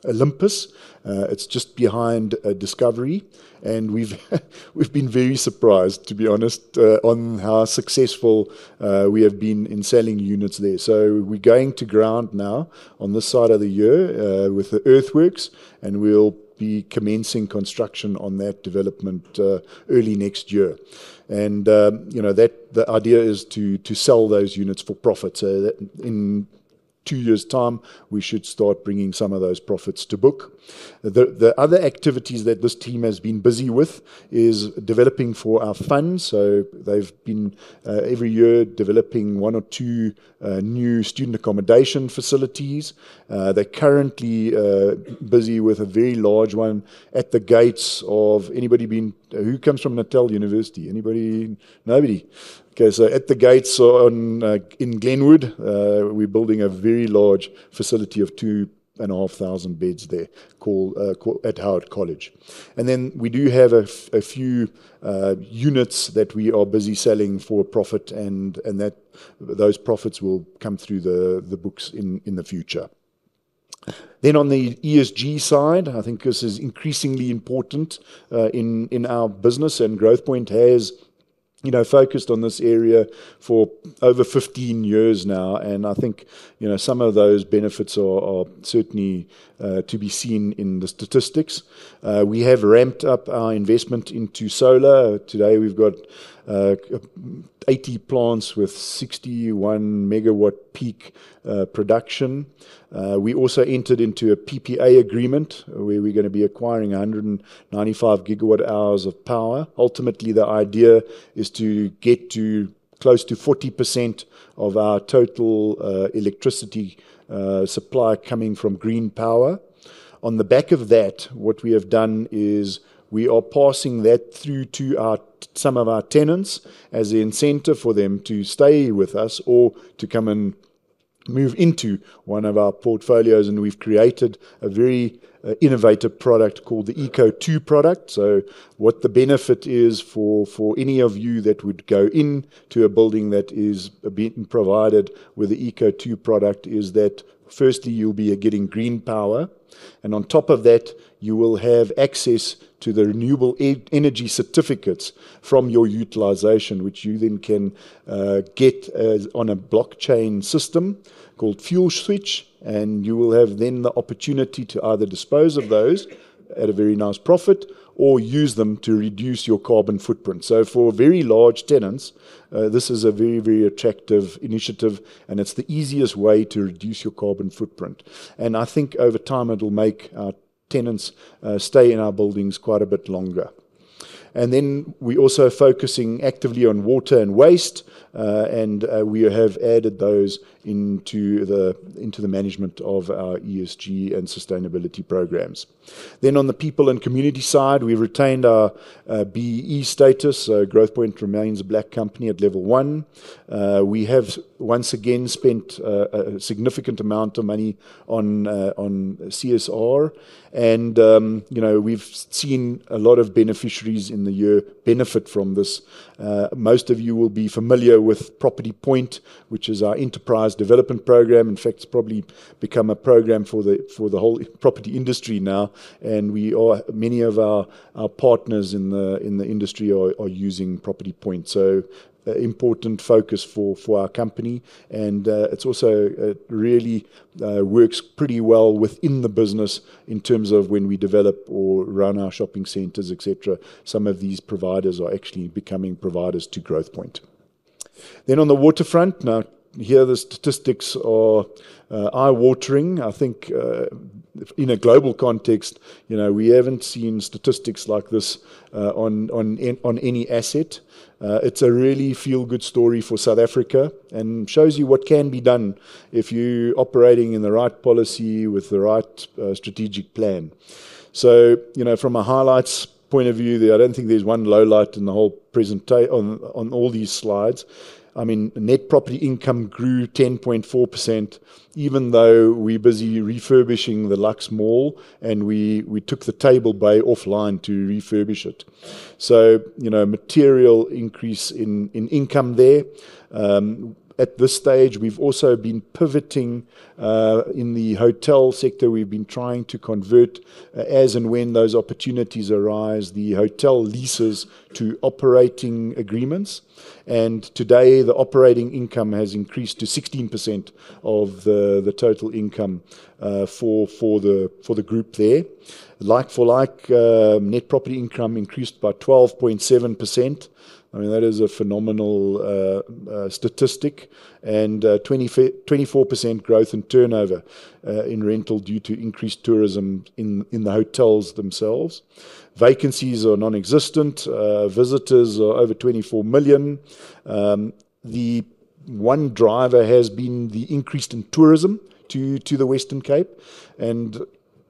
B: Olympus. It's just behind Discovery. We've been very surprised, to be honest, on how successful we have been in selling units there. We're going to ground now on this side of the year with the earthworks, and we'll be commencing construction on that development early next year. The idea is to sell those units for profit. In two years' time, we should start bringing some of those profits to book. The other activities that this team has been busy with is developing for our funds. They've been every year developing one or two new student accommodation facilities. They're currently busy with a very large one at the gates of anybody who comes from Natal University. Anybody, nobody. At the gates in Glenwood, we're building a very large facility of 2,500 beds there called Ett Howard College. We do have a few units that we are busy selling for profit, and those profits will come through the books in the future. On the ESG side, I think this is increasingly important in our business, and Growthpoint has focused on this area for over 15 years now. I think some of those benefits are certainly to be seen in the statistics. We have ramped up our investment into solar. Today, we've got 80 plants with 61 MW peak production. We also entered into a PPA agreement where we're going to be acquiring 195 GW hours of power. Ultimately, the idea is to get to close to 40% of our total electricity supply coming from green power. On the back of that, what we have done is we are passing that through to some of our tenants as an incentive for them to stay with us or to come and move into one of our portfolios. We've created a very innovative product called the Eco2 product. The benefit for any of you that would go into a building that is being provided with the Eco2 product is that firstly, you'll be getting green power. On top of that, you will have access to the renewable energy certificates from your utilization, which you then can get on a blockchain system called FuelSwitch. You will have the opportunity to either dispose of those at a very nice profit or use them to reduce your carbon footprint. For very large tenants, this is a very, very attractive initiative, and it's the easiest way to reduce your carbon footprint. I think over time, it'll make our tenants stay in our buildings quite a bit longer. We're also focusing actively on water and waste, and we have added those into the management of our ESG and sustainability programs. On the people and community side, we've retained our BEE status, so Growthpoint remains a black company at level one. We have once again spent a significant amount of money on CSR, and we've seen a lot of beneficiaries in the year benefit from this. Most of you will be familiar with Property Point, which is our enterprise development program. In fact, it's probably become a program for the whole property industry now. We are, many of our partners in the industry are using Property Point. An important focus for our company, it also really works pretty well within the business in terms of when we develop or run our shopping centers, et cetera. Some of these providers are actually becoming providers to Growthpoint. On the Waterfront, the statistics are eye-watering. I think in a global context, we haven't seen statistics like this on any asset. It's a really feel-good story for South Africa and shows you what can be done if you're operating in the right policy with the right strategic plan. From a highlights point of view, I don't think there's one low light in the whole presentation on all these slides. Net property income grew 10.4%, even though we're busy refurbishing the Lux Mall, and we took the Table Bay offline to refurbish it. Material increase in income there. At this stage, we've also been pivoting in the hotel sector. We've been trying to convert as and when those opportunities arise, the hotel leases to operating agreements. Today, the operating income has increased to 16% of the total income for the group there. Like-for-like, net property income increased by 12.7%. That is a phenomenal statistic. There was 24% growth in turnover in rental due to increased tourism in the hotels themselves. Vacancies are non-existent. Visitors are over 24 million. The one driver has been the increase in tourism due to the Western Cape.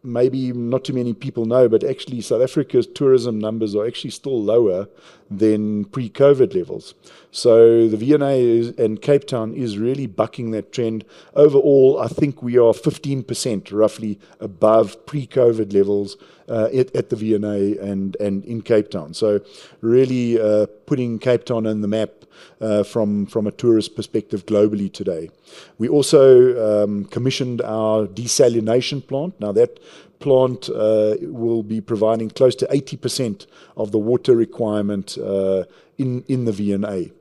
B: Maybe not too many people know, but actually South Africa's tourism numbers are still lower than pre-COVID levels. The V&A and Cape Town is really bucking that trend. Overall, we are 15% roughly above pre-COVID levels at the V&A and in Cape Town. Really putting Cape Town on the map from a tourist perspective globally today. We also commissioned our desalination plant. That plant will be providing close to 80% of the water requirement in the V&A.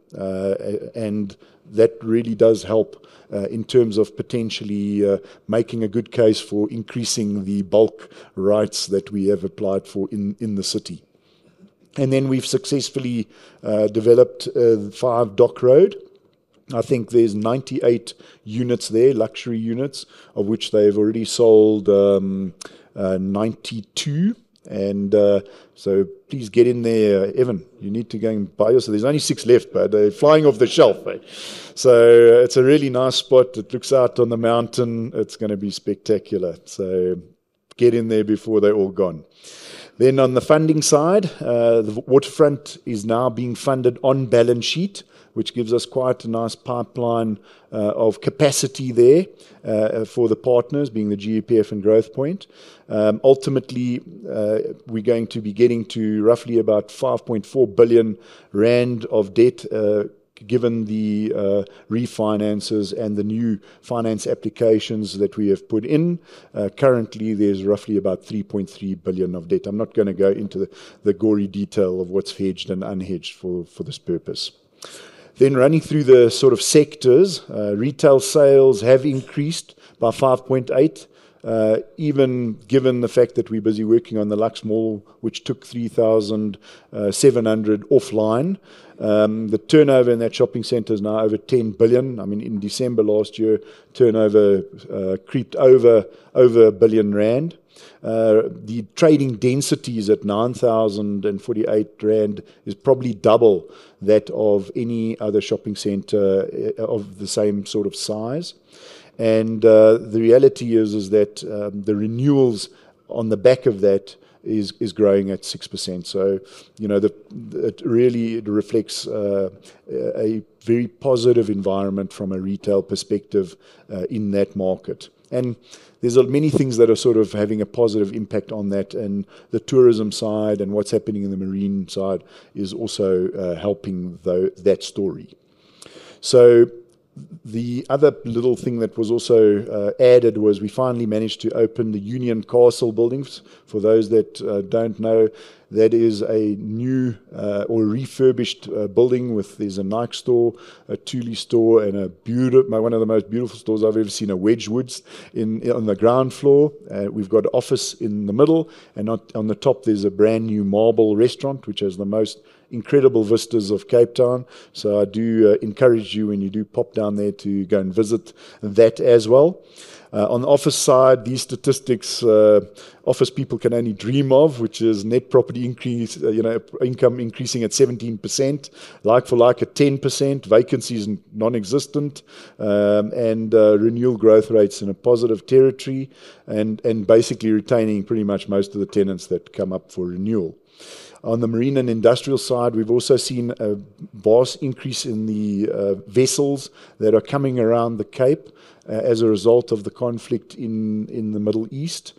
B: That really does help in terms of potentially making a good case for increasing the bulk rights that we have applied for in the city. We've successfully developed Five Dock Road. I think there's 98 units there, luxury units, of which they've already sold 92. Please get in there, Evan. You need to go and buy yourself. There's only six left, but they're flying off the shelf. It's a really nice spot. It looks out on the mountain. It's going to be spectacular. Get in there before they're all gone. On the funding side, the Waterfront is now being funded on balance sheet, which gives us quite a nice pipeline of capacity there for the partners being the GEPF and Growthpoint. Ultimately, we're going to be getting to roughly about R5.4 billion of debt, given the refinances and the new finance applications that we have put in. Currently, there's roughly about R3.3 billion of debt. I'm not going to go into the gory detail of what's hedged and unhedged for this purpose. Running through the sort of sectors, retail sales have increased by 5.8%, even given the fact that we're busy working on the Lux Mall, which took 3,700 offline. The turnover in that shopping center is now over R10 billion. In December last year, turnover crept over R1 billion. The trading density is at R9,048. It's probably double that of any other shopping center of the same sort of size. The reality is that the renewals on the back of that are growing at 6%. It really reflects a very positive environment from a retail perspective in that market. There are many things that are having a positive impact on that. The tourism side and what's happening in the marine side is also helping that story. The other little thing that was also added was we finally managed to open the Union Castle buildings. For those that don't know, that is a new or refurbished building with a Nike store, a Tully store, and one of the most beautiful stores I've ever seen, a Wedgewoods on the ground floor. We've got an office in the middle, and on the top, there's a brand new Marble Restaurant, which has the most incredible vistas of Cape Town. I do encourage you, when you do pop down there, to go and visit that as well. On the office side, these statistics office people can only dream of, which is net property income increasing at 17%, like-for-like at 10%, vacancies non-existent, and renewal growth rates in positive territory, and basically retaining pretty much most of the tenants that come up for renewal. On the marine and industrial side, we've also seen a vast increase in the vessels that are coming around the Cape as a result of the conflict in the Middle East.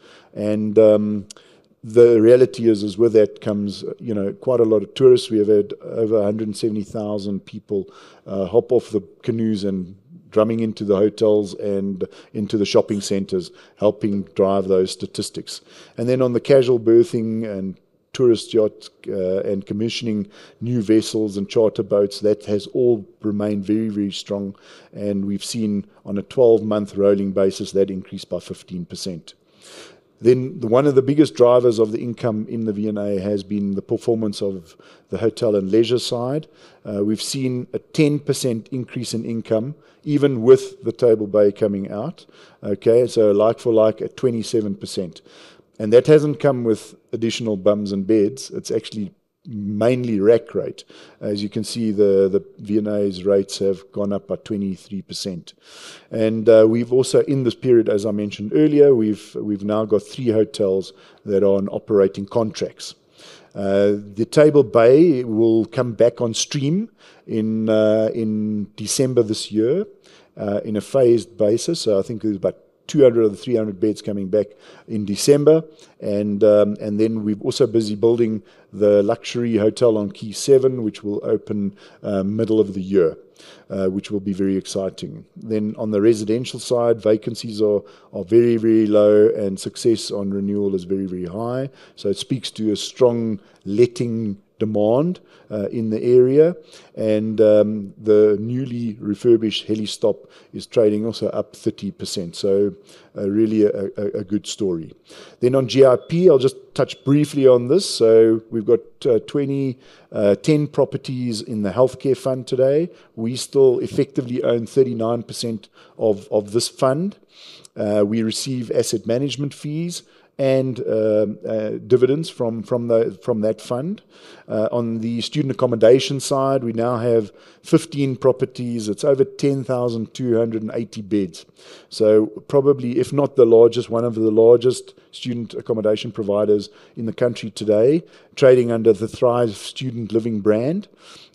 B: The reality is, where that comes, quite a lot of tourists. We have had over 170,000 people hop off the canoes and drumming into the hotels and into the shopping centers, helping drive those statistics. On the casual berthing and tourist yacht and commissioning new vessels and charter boats, that has all remained very, very strong. We have seen on a 12-month rolling basis that increase by 15%. One of the biggest drivers of the income in the V&A has been the performance of the hotel and leisure side. We have seen a 10% increase in income, even with the Table Bay coming out. Like-for-like at 27%. That has not come with additional bums in beds. It is actually mainly rack rate. As you can see, the V&A's rates have gone up by 23%. We have also, in this period, as I mentioned earlier, now got three hotels that are on operating contracts. The Table Bay will come back on stream in December this year in a phased basis. I think there are about 200 or 300 beds coming back in December. We are also busy building the luxury hotel on Key 7, which will open middle of the year, which will be very exciting. On the residential side, vacancies are very, very low and success on renewal is very, very high. It speaks to a strong letting demand in the area. The newly refurbished Helistop is trading also up 30%. Really a good story. On Growthpoint Properties, I will just touch briefly on this. We have 20 properties in the healthcare fund today. We still effectively own 39% of this fund. We receive asset management fees and dividends from that fund. On the student accommodation side, we now have 15 properties. It is over 10,280 beds. Probably, if not the largest, one of the largest student accommodation providers in the country today, trading under the Thrive Student Living brand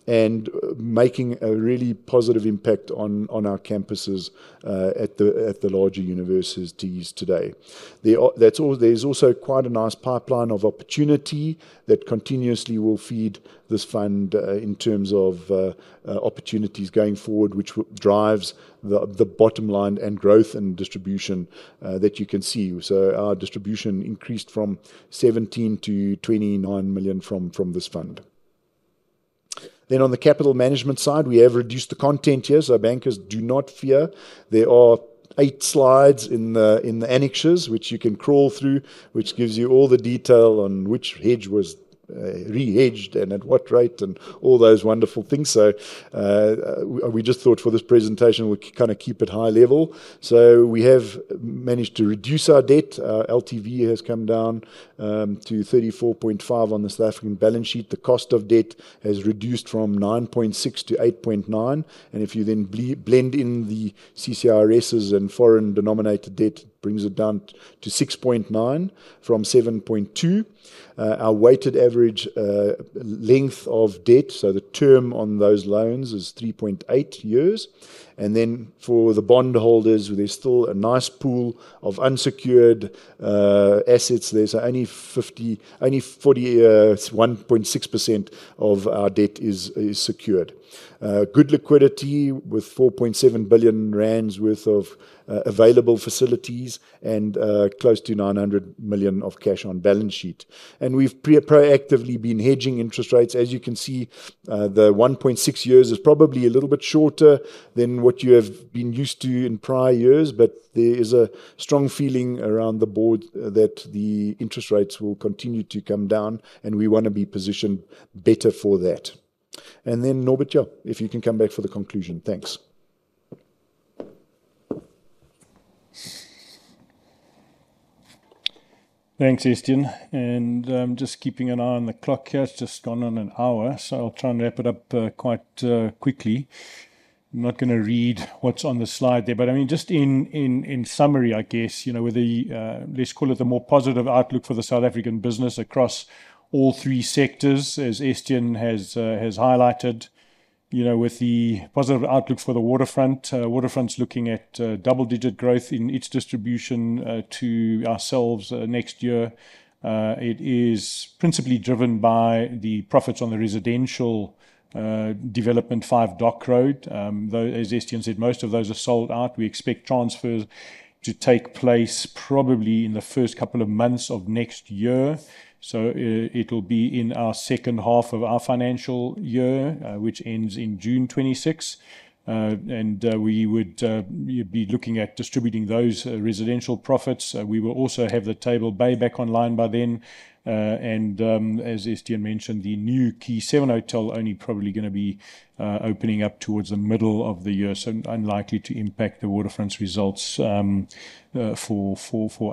B: and making a really positive impact on our campuses at the larger universities today. There is also quite a nice pipeline of opportunity that continuously will feed this fund in terms of opportunities going forward, which drives the bottom line and growth and distribution that you can see. Our distribution increased from $17 million-$29 million from this fund. On the capital management side, we have reduced the content here, so bankers do not fear. There are eight slides in the annexes, which you can crawl through, which gives you all the detail on which hedge was re-hedged and at what rate and all those wonderful things. For this presentation, we will kind of keep it high level. We have managed to reduce our debt. Our LTV has come down to 34.5% on the South African balance sheet. The cost of debt has reduced from 9.6%-8.9%. If you then blend in the CCRSs and foreign denominated debt, it brings it down to 6.9% from 7.2%. Our weighted average length of debt, so the term on those loans, is 3.8 years. For the bond holders, there's still a nice pool of unsecured assets there. Only 41.6% of our debt is secured. Good liquidity with R4.7 billion worth of available facilities and close to R900 million of cash on balance sheet. We've proactively been hedging interest rates. The 1.6 years is probably a little bit shorter than what you have been used to in prior years, but there is a strong feeling around the board that the interest rates will continue to come down, and we want to be positioned better for that. Norbert, if you can come back for the conclusion. Thanks.
A: Thanks, Estienne. I'm just keeping an eye on the clock here. It's just gone on an hour, so I'll try and wrap it up quite quickly. I'm not going to read what's on the slide there, but just in summary, with the more positive outlook for the South African business across all three sectors, as Estienne has highlighted, with the positive outlook for the Waterfront, the Waterfront's looking at double-digit growth in each distribution to ourselves next year. It is principally driven by the profits on the residential development, Five Dock Road. Though, as Estienne said, most of those are sold out. We expect transfers to take place probably in the first couple of months of next year. It'll be in our second half of our financial year, which ends in June 2026. We would be looking at distributing those residential profits. We will also have the Table Bay back online by then. As Estienne mentioned, the new Key 7 hotel is only probably going to be opening up towards the middle of the year, so unlikely to impact the Waterfront's results for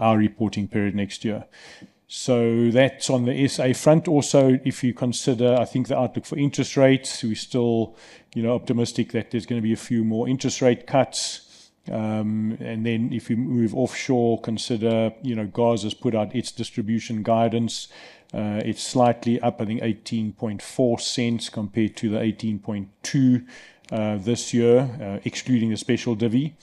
A: our reporting period next year. On the SA front, if you consider the outlook for interest rates, we're still optimistic that there's going to be a few more interest rate cuts. If you move offshore, GOZ has put out its distribution guidance. It's slightly up, I think $0.184 compared to the $0.182 this year, excluding the special dividend.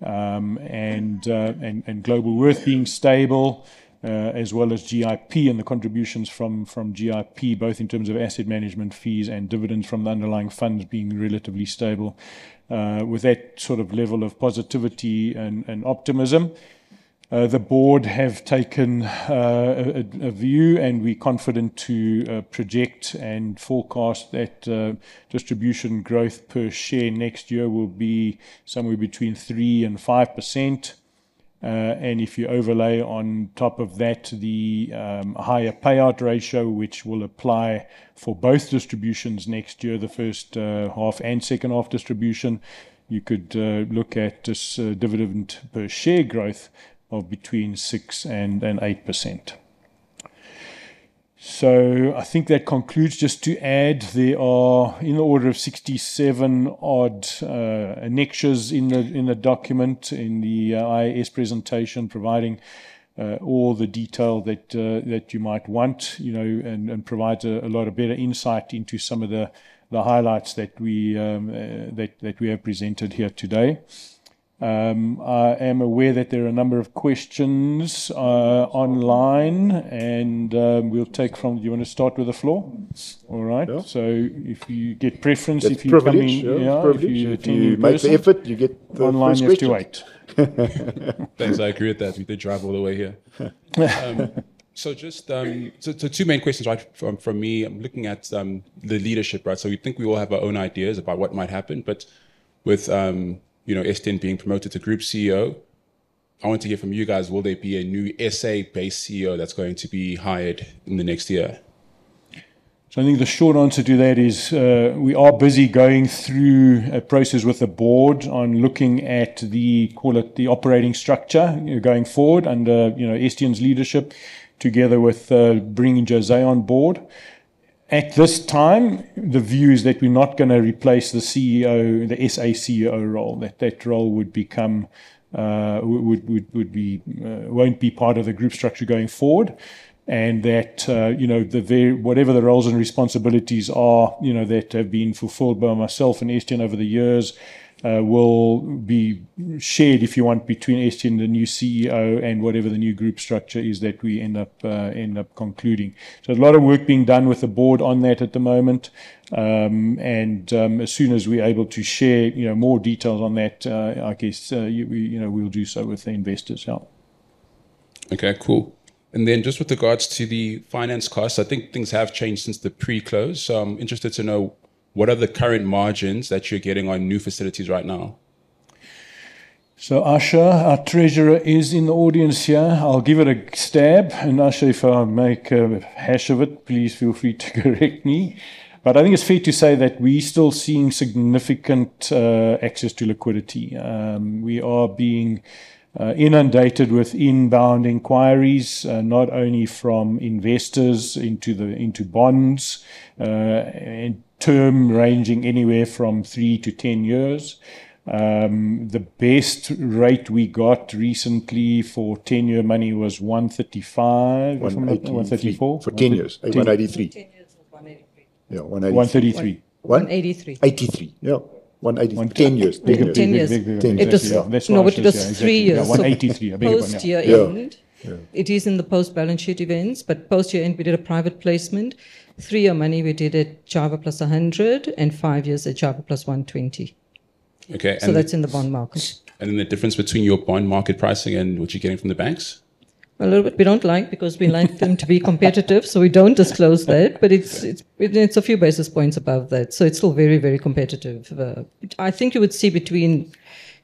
A: Globalworth being stable, as well as GIP and the contributions from GIP, both in terms of asset management fees and dividends from the underlying funds being relatively stable. With that sort of level of positivity and optimism, the board has taken a view, and we're confident to project and forecast that distribution growth per share next year will be somewhere between 3% and 5%. If you overlay on top of that the higher payout ratio, which will apply for both distributions next year, the first half and second half distribution, you could look at this dividend per share growth of between 6% and 8%. I think that concludes. Just to add, there are in the order of 67 odd annexes in the document, in the IAS presentation, providing all the detail that you might want, you know, and provides a lot of better insight into some of the highlights that we have presented here today. I am aware that there are a number of questions online, and we'll take from, do you want to start with the floor? All right. If you get preference, if you
C: Thanks, I agree with that. We did drive all the way here. Just two main questions from me. I'm looking at the leadership, right? We all have our own ideas about what might happen, but with, you know, Estienne being promoted to Group CEO, I want to hear from you guys, will there be a new South Africa-based CEO that's going to be hired in the next year?
A: I think the short answer is, we are busy going through a process with the board on looking at the, call it the operating structure going forward under, you know, Estienne's leadership, together with bringing José on board. At this time, the view is that we're not going to replace the CEO, the SA CEO role, that role won't be part of the group structure going forward. Whatever the roles and responsibilities are, you know, that have been fulfilled by myself and Estienne over the years, will be shared, if you want, between Estienne and the new CEO and whatever the new group structure is that we end up concluding. There's a lot of work being done with the board on that at the moment, and as soon as we're able to share more details on that, I guess we will do so with the investor's help.
C: Okay, cool. Just with regards to the finance costs, I think things have changed since the pre-close. I'm interested to know what are the current margins that you're getting on new facilities right now?
A: Aasha, our Treasurer, is in the audience here. I'll give it a stab, and Asha, if I make a hash of it, please feel free to correct me. I think it's fair to say that we're still seeing significant excess to liquidity. We are being inundated with inbound inquiries, not only from investors into bonds, and term ranging anywhere from three to ten years. The best rate we got recently for ten-year money was $1.35 or something like that, $1.34.
D: For ten years, it was $1.83.
A: $1.83.
D: Yeah, $1.83.
C: $1.83?
D: Yeah, 183.
C: Ten years?
D: No, but it was three years. Post-year end. It is in the post-balance sheet events, but post-year end, we did a private placement. Three-year money, we did at JIBAR +100 and five years at JIBAR +120.
C: Okay.
D: That's in the bond market.
C: What is the difference between your bond market pricing and what you're getting from the banks?
D: We don't like because we like them to be competitive, so we don't disclose that, but it's a few basis points above that. It's still very, very competitive. I think you would see between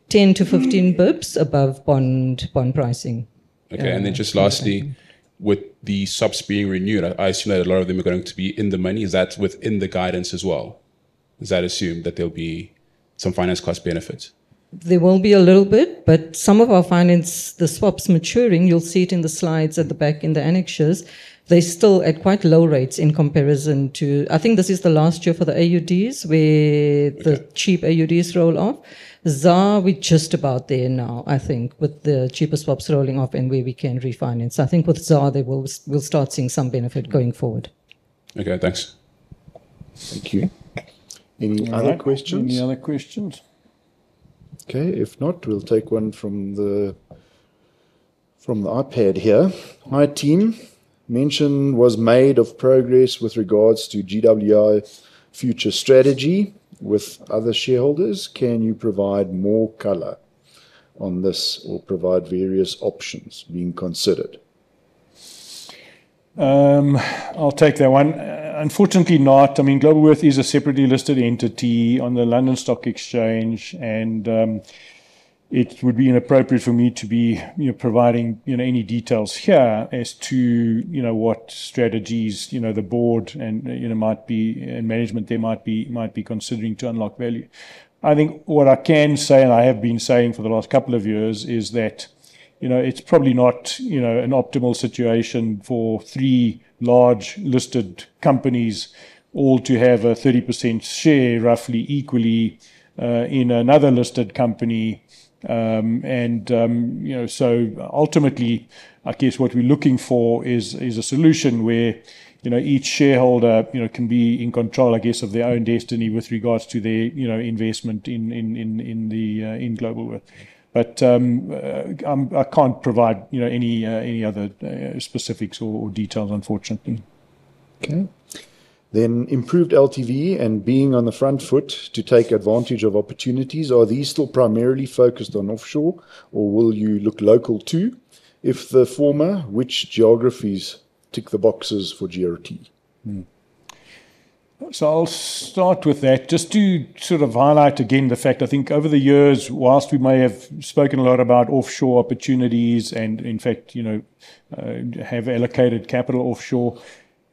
D: 10 bps-15 bps above bond pricing.
C: Okay. Lastly, with the subs being renewed, I assume that a lot of them are going to be in the money. Is that within the guidance as well? Is that assumed that there'll be some finance cost benefits?
D: There will be a little bit, but some of our finance, the swaps maturing, you'll see it in the slides at the back in the annexes. They're still at quite low rates in comparison to, I think this is the last year for the AUDs where the cheap AUDs roll off. ZAR, we're just about there now, I think, with the cheaper swaps rolling off and where we can refinance. I think with ZAR, we'll start seeing some benefit going forward.
C: Okay, thanks.
B: Thank you. Any other questions? Any other questions? Okay, if not, we'll take one from the iPad here. Hi team, mention was made of progress with regards to GWI future strategy with other shareholders. Can you provide more color on this or provide various options being considered?
A: I'll take that one. Unfortunately not. Globalworth is a separately listed entity on the London Stock Exchange, and it would be inappropriate for me to be providing any details here as to what strategies the board and management there might be considering to unlock value. I think what I can say, and I have been saying for the last couple of years, is that it's probably not an optimal situation for three large listed companies all to have a 30% share roughly equally in another listed company. Ultimately, I guess what we're looking for is a solution where each shareholder can be in control, I guess, of their own destiny with regards to their investment in Globalworth. I can't provide any other specifics or details, unfortunately.
B: Improved LTV and being on the front foot to take advantage of opportunities. Are these still primarily focused on offshore or will you look local too? If the former, which geographies tick the boxes for Growthpoint?
A: I'll start with that. Just to sort of highlight again the fact, I think over the years, whilst we may have spoken a lot about offshore opportunities and in fact, you know, have allocated capital offshore,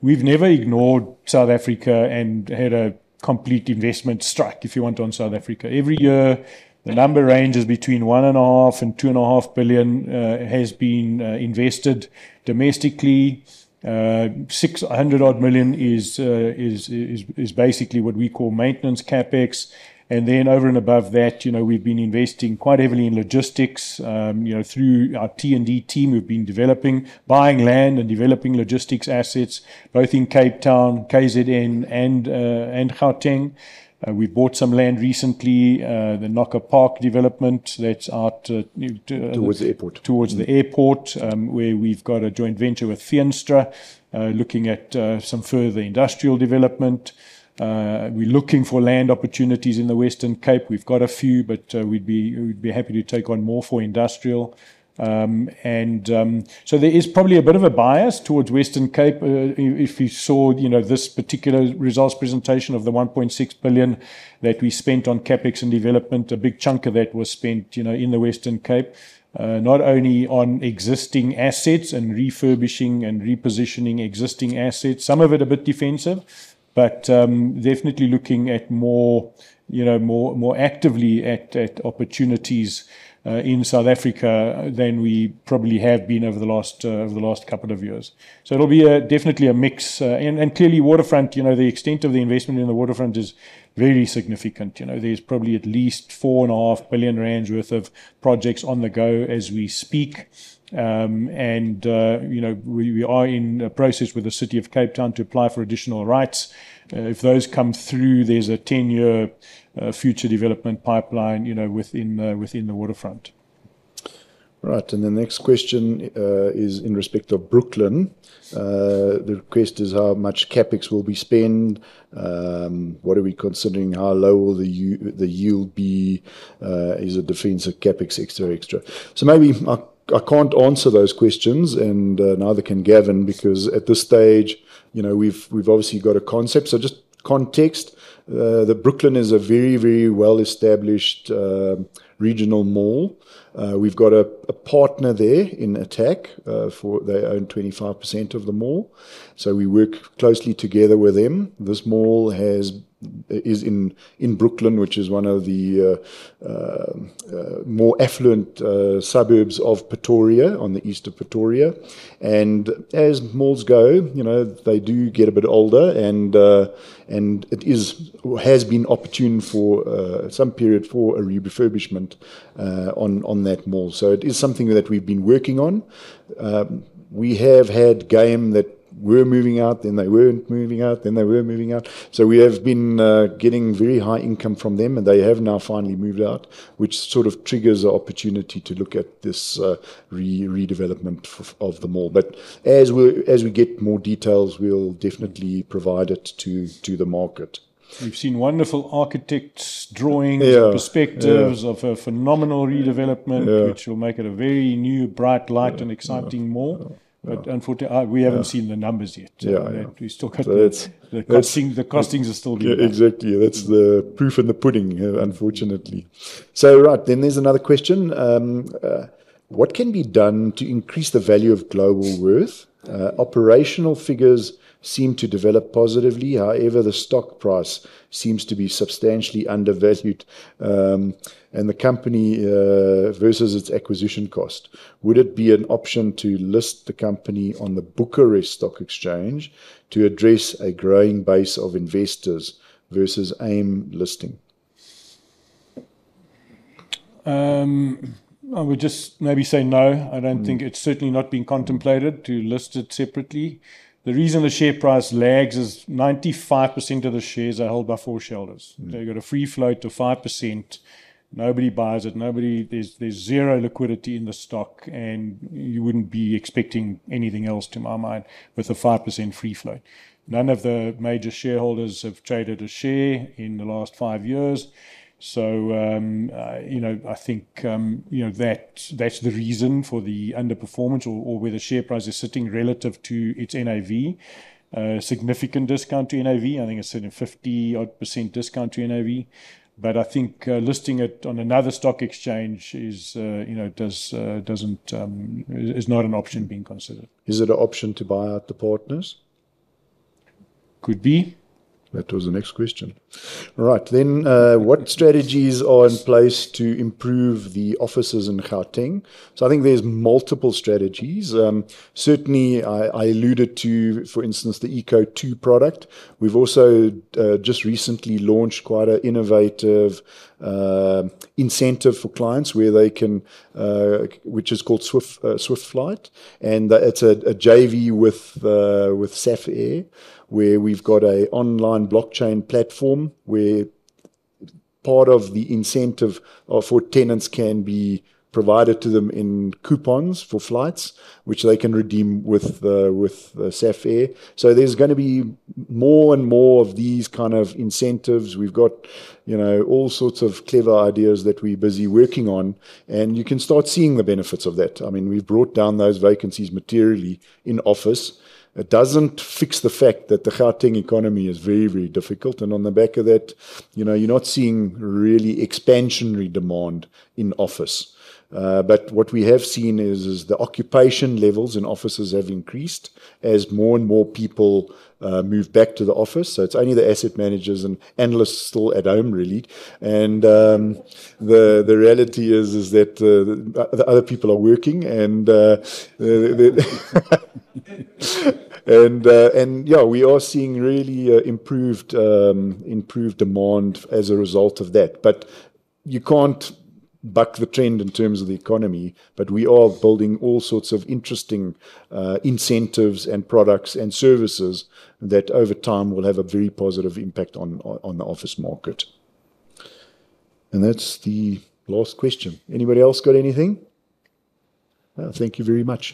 A: we've never ignored South Africa and had a complete investment strike, if you want, on South Africa. Every year, the number ranges between R1.5 billion and R2.5 billion, has been invested domestically. R600 million is basically what we call maintenance CapEx. Over and above that, you know, we've been investing quite heavily in logistics. You know, through our T&D team, we've been developing, buying land and developing logistics assets, both in Cape Town, KZN, and Gauteng. We bought some land recently, the Naka Park development that's out towards the airport, where we've got a joint venture with Fenstra, looking at some further industrial development. We're looking for land opportunities in the Western Cape. We've got a few, but we'd be happy to take on more for industrial. There is probably a bit of a bias towards Western Cape. If you saw this particular results presentation, of the R1.6 billion that we spent on CapEx and development, a big chunk of that was spent in the Western Cape, not only on existing assets and refurbishing and repositioning existing assets, some of it a bit defensive, but definitely looking more actively at opportunities in South Africa than we probably have been over the last couple of years. It'll be definitely a mix, and clearly Waterfront, the extent of the investment in the Waterfront is very significant. There's probably at least R4.5 billion worth of projects on the go as we speak. We are in a process with the City of Cape Town to apply for additional rights. If those come through, there's a 10-year future development pipeline within the Waterfront.
B: Right. The next question is in respect of Brooklyn. The request is how much CapEx will be spent, what are we considering, how low will the yield be, is it defensive CapEx, et cetera. Maybe I can't answer those questions and neither can Gavin because at this stage, you know, we've obviously got a concept. Just context, the Brooklyn is a very, very well-established regional mall. We've got a partner there in Attacq, for they own 25% of the mall. We work closely together with them. This mall is in Brooklyn, which is one of the more affluent suburbs of Pretoria on the east of Pretoria. As malls go, they do get a bit older and it has been opportune for some period for a refurbishment on that mall. It is something that we've been working on. We have had Game that were moving out, then they weren't moving out, then they were moving out. We have been getting very high income from them and they have now finally moved out, which sort of triggers an opportunity to look at this redevelopment of the mall. As we get more details, we'll definitely provide it to the market.
A: We've seen wonderful architects, drawings, perspectives of a phenomenal redevelopment, which will make it a very new, bright, light, and exciting mall. Unfortunately, we haven't seen the numbers yet. We still got the costings, the costings are still getting there.
B: Exactly. ThWaterqqqat's the proof in the pudding, unfortunately. Right, then there's another question. What can be done to increase the value of Globalworth? Operational figures seem to develop positively. However, the stock price seems to be substantially undervalued, and the company, versus its acquisition cost. Would it be an option to list the company on the Bucharest Stock Exchange to address a growing base of investors versus AIM listing?
A: I would just maybe say no. I don't think it's certainly not been contemplated to list it separately. The reason the share price lags is 95% of the shares are held by shareholders. They've got a free float of 5%. Nobody buys it. There's zero liquidity in the stock, and you wouldn't be expecting anything else to my mind with a 5% free float. None of the major shareholders have traded a share in the last five years. I think that's the reason for the underperformance or where the share price is sitting relative to its NAV, significant discount to NAV. I think it's sitting at 50% odd discount to NAV. I think listing it on another stock exchange is not an option being considered.
B: Is it an option to buy out the partners?
A: Could be.
B: That was the next question. Right. What strategies are in place to improve the offices in Hao Cheng? I think there's multiple strategies. I alluded to, for instance, the Eco2 product. We've also just recently launched quite an innovative incentive for clients, which is called SwiftFlight. It's a JV with SafeAir where we've got an online blockchain platform where part of the incentive for tenants can be provided to them in coupons for flights, which they can redeem with SafeAir. There are going to be more and more of these kinds of incentives. We've got all sorts of clever ideas that we're busy working on, and you can start seeing the benefits of that. We've brought down those vacancies materially in office. It doesn't fix the fact that the Hao Cheng economy is very, very difficult. On the back of that, you're not seeing really expansionary demand in office. What we have seen is the occupation levels in offices have increased as more and more people move back to the office. It's only the asset managers and analysts still at home, really. The reality is that the other people are working, and we are seeing really improved demand as a result of that. You can't buck the trend in terms of the economy, but we are building all sorts of interesting incentives and products and services that over time will have a very positive impact on the office market. That's the last question. Anybody else got anything? Thank you very much.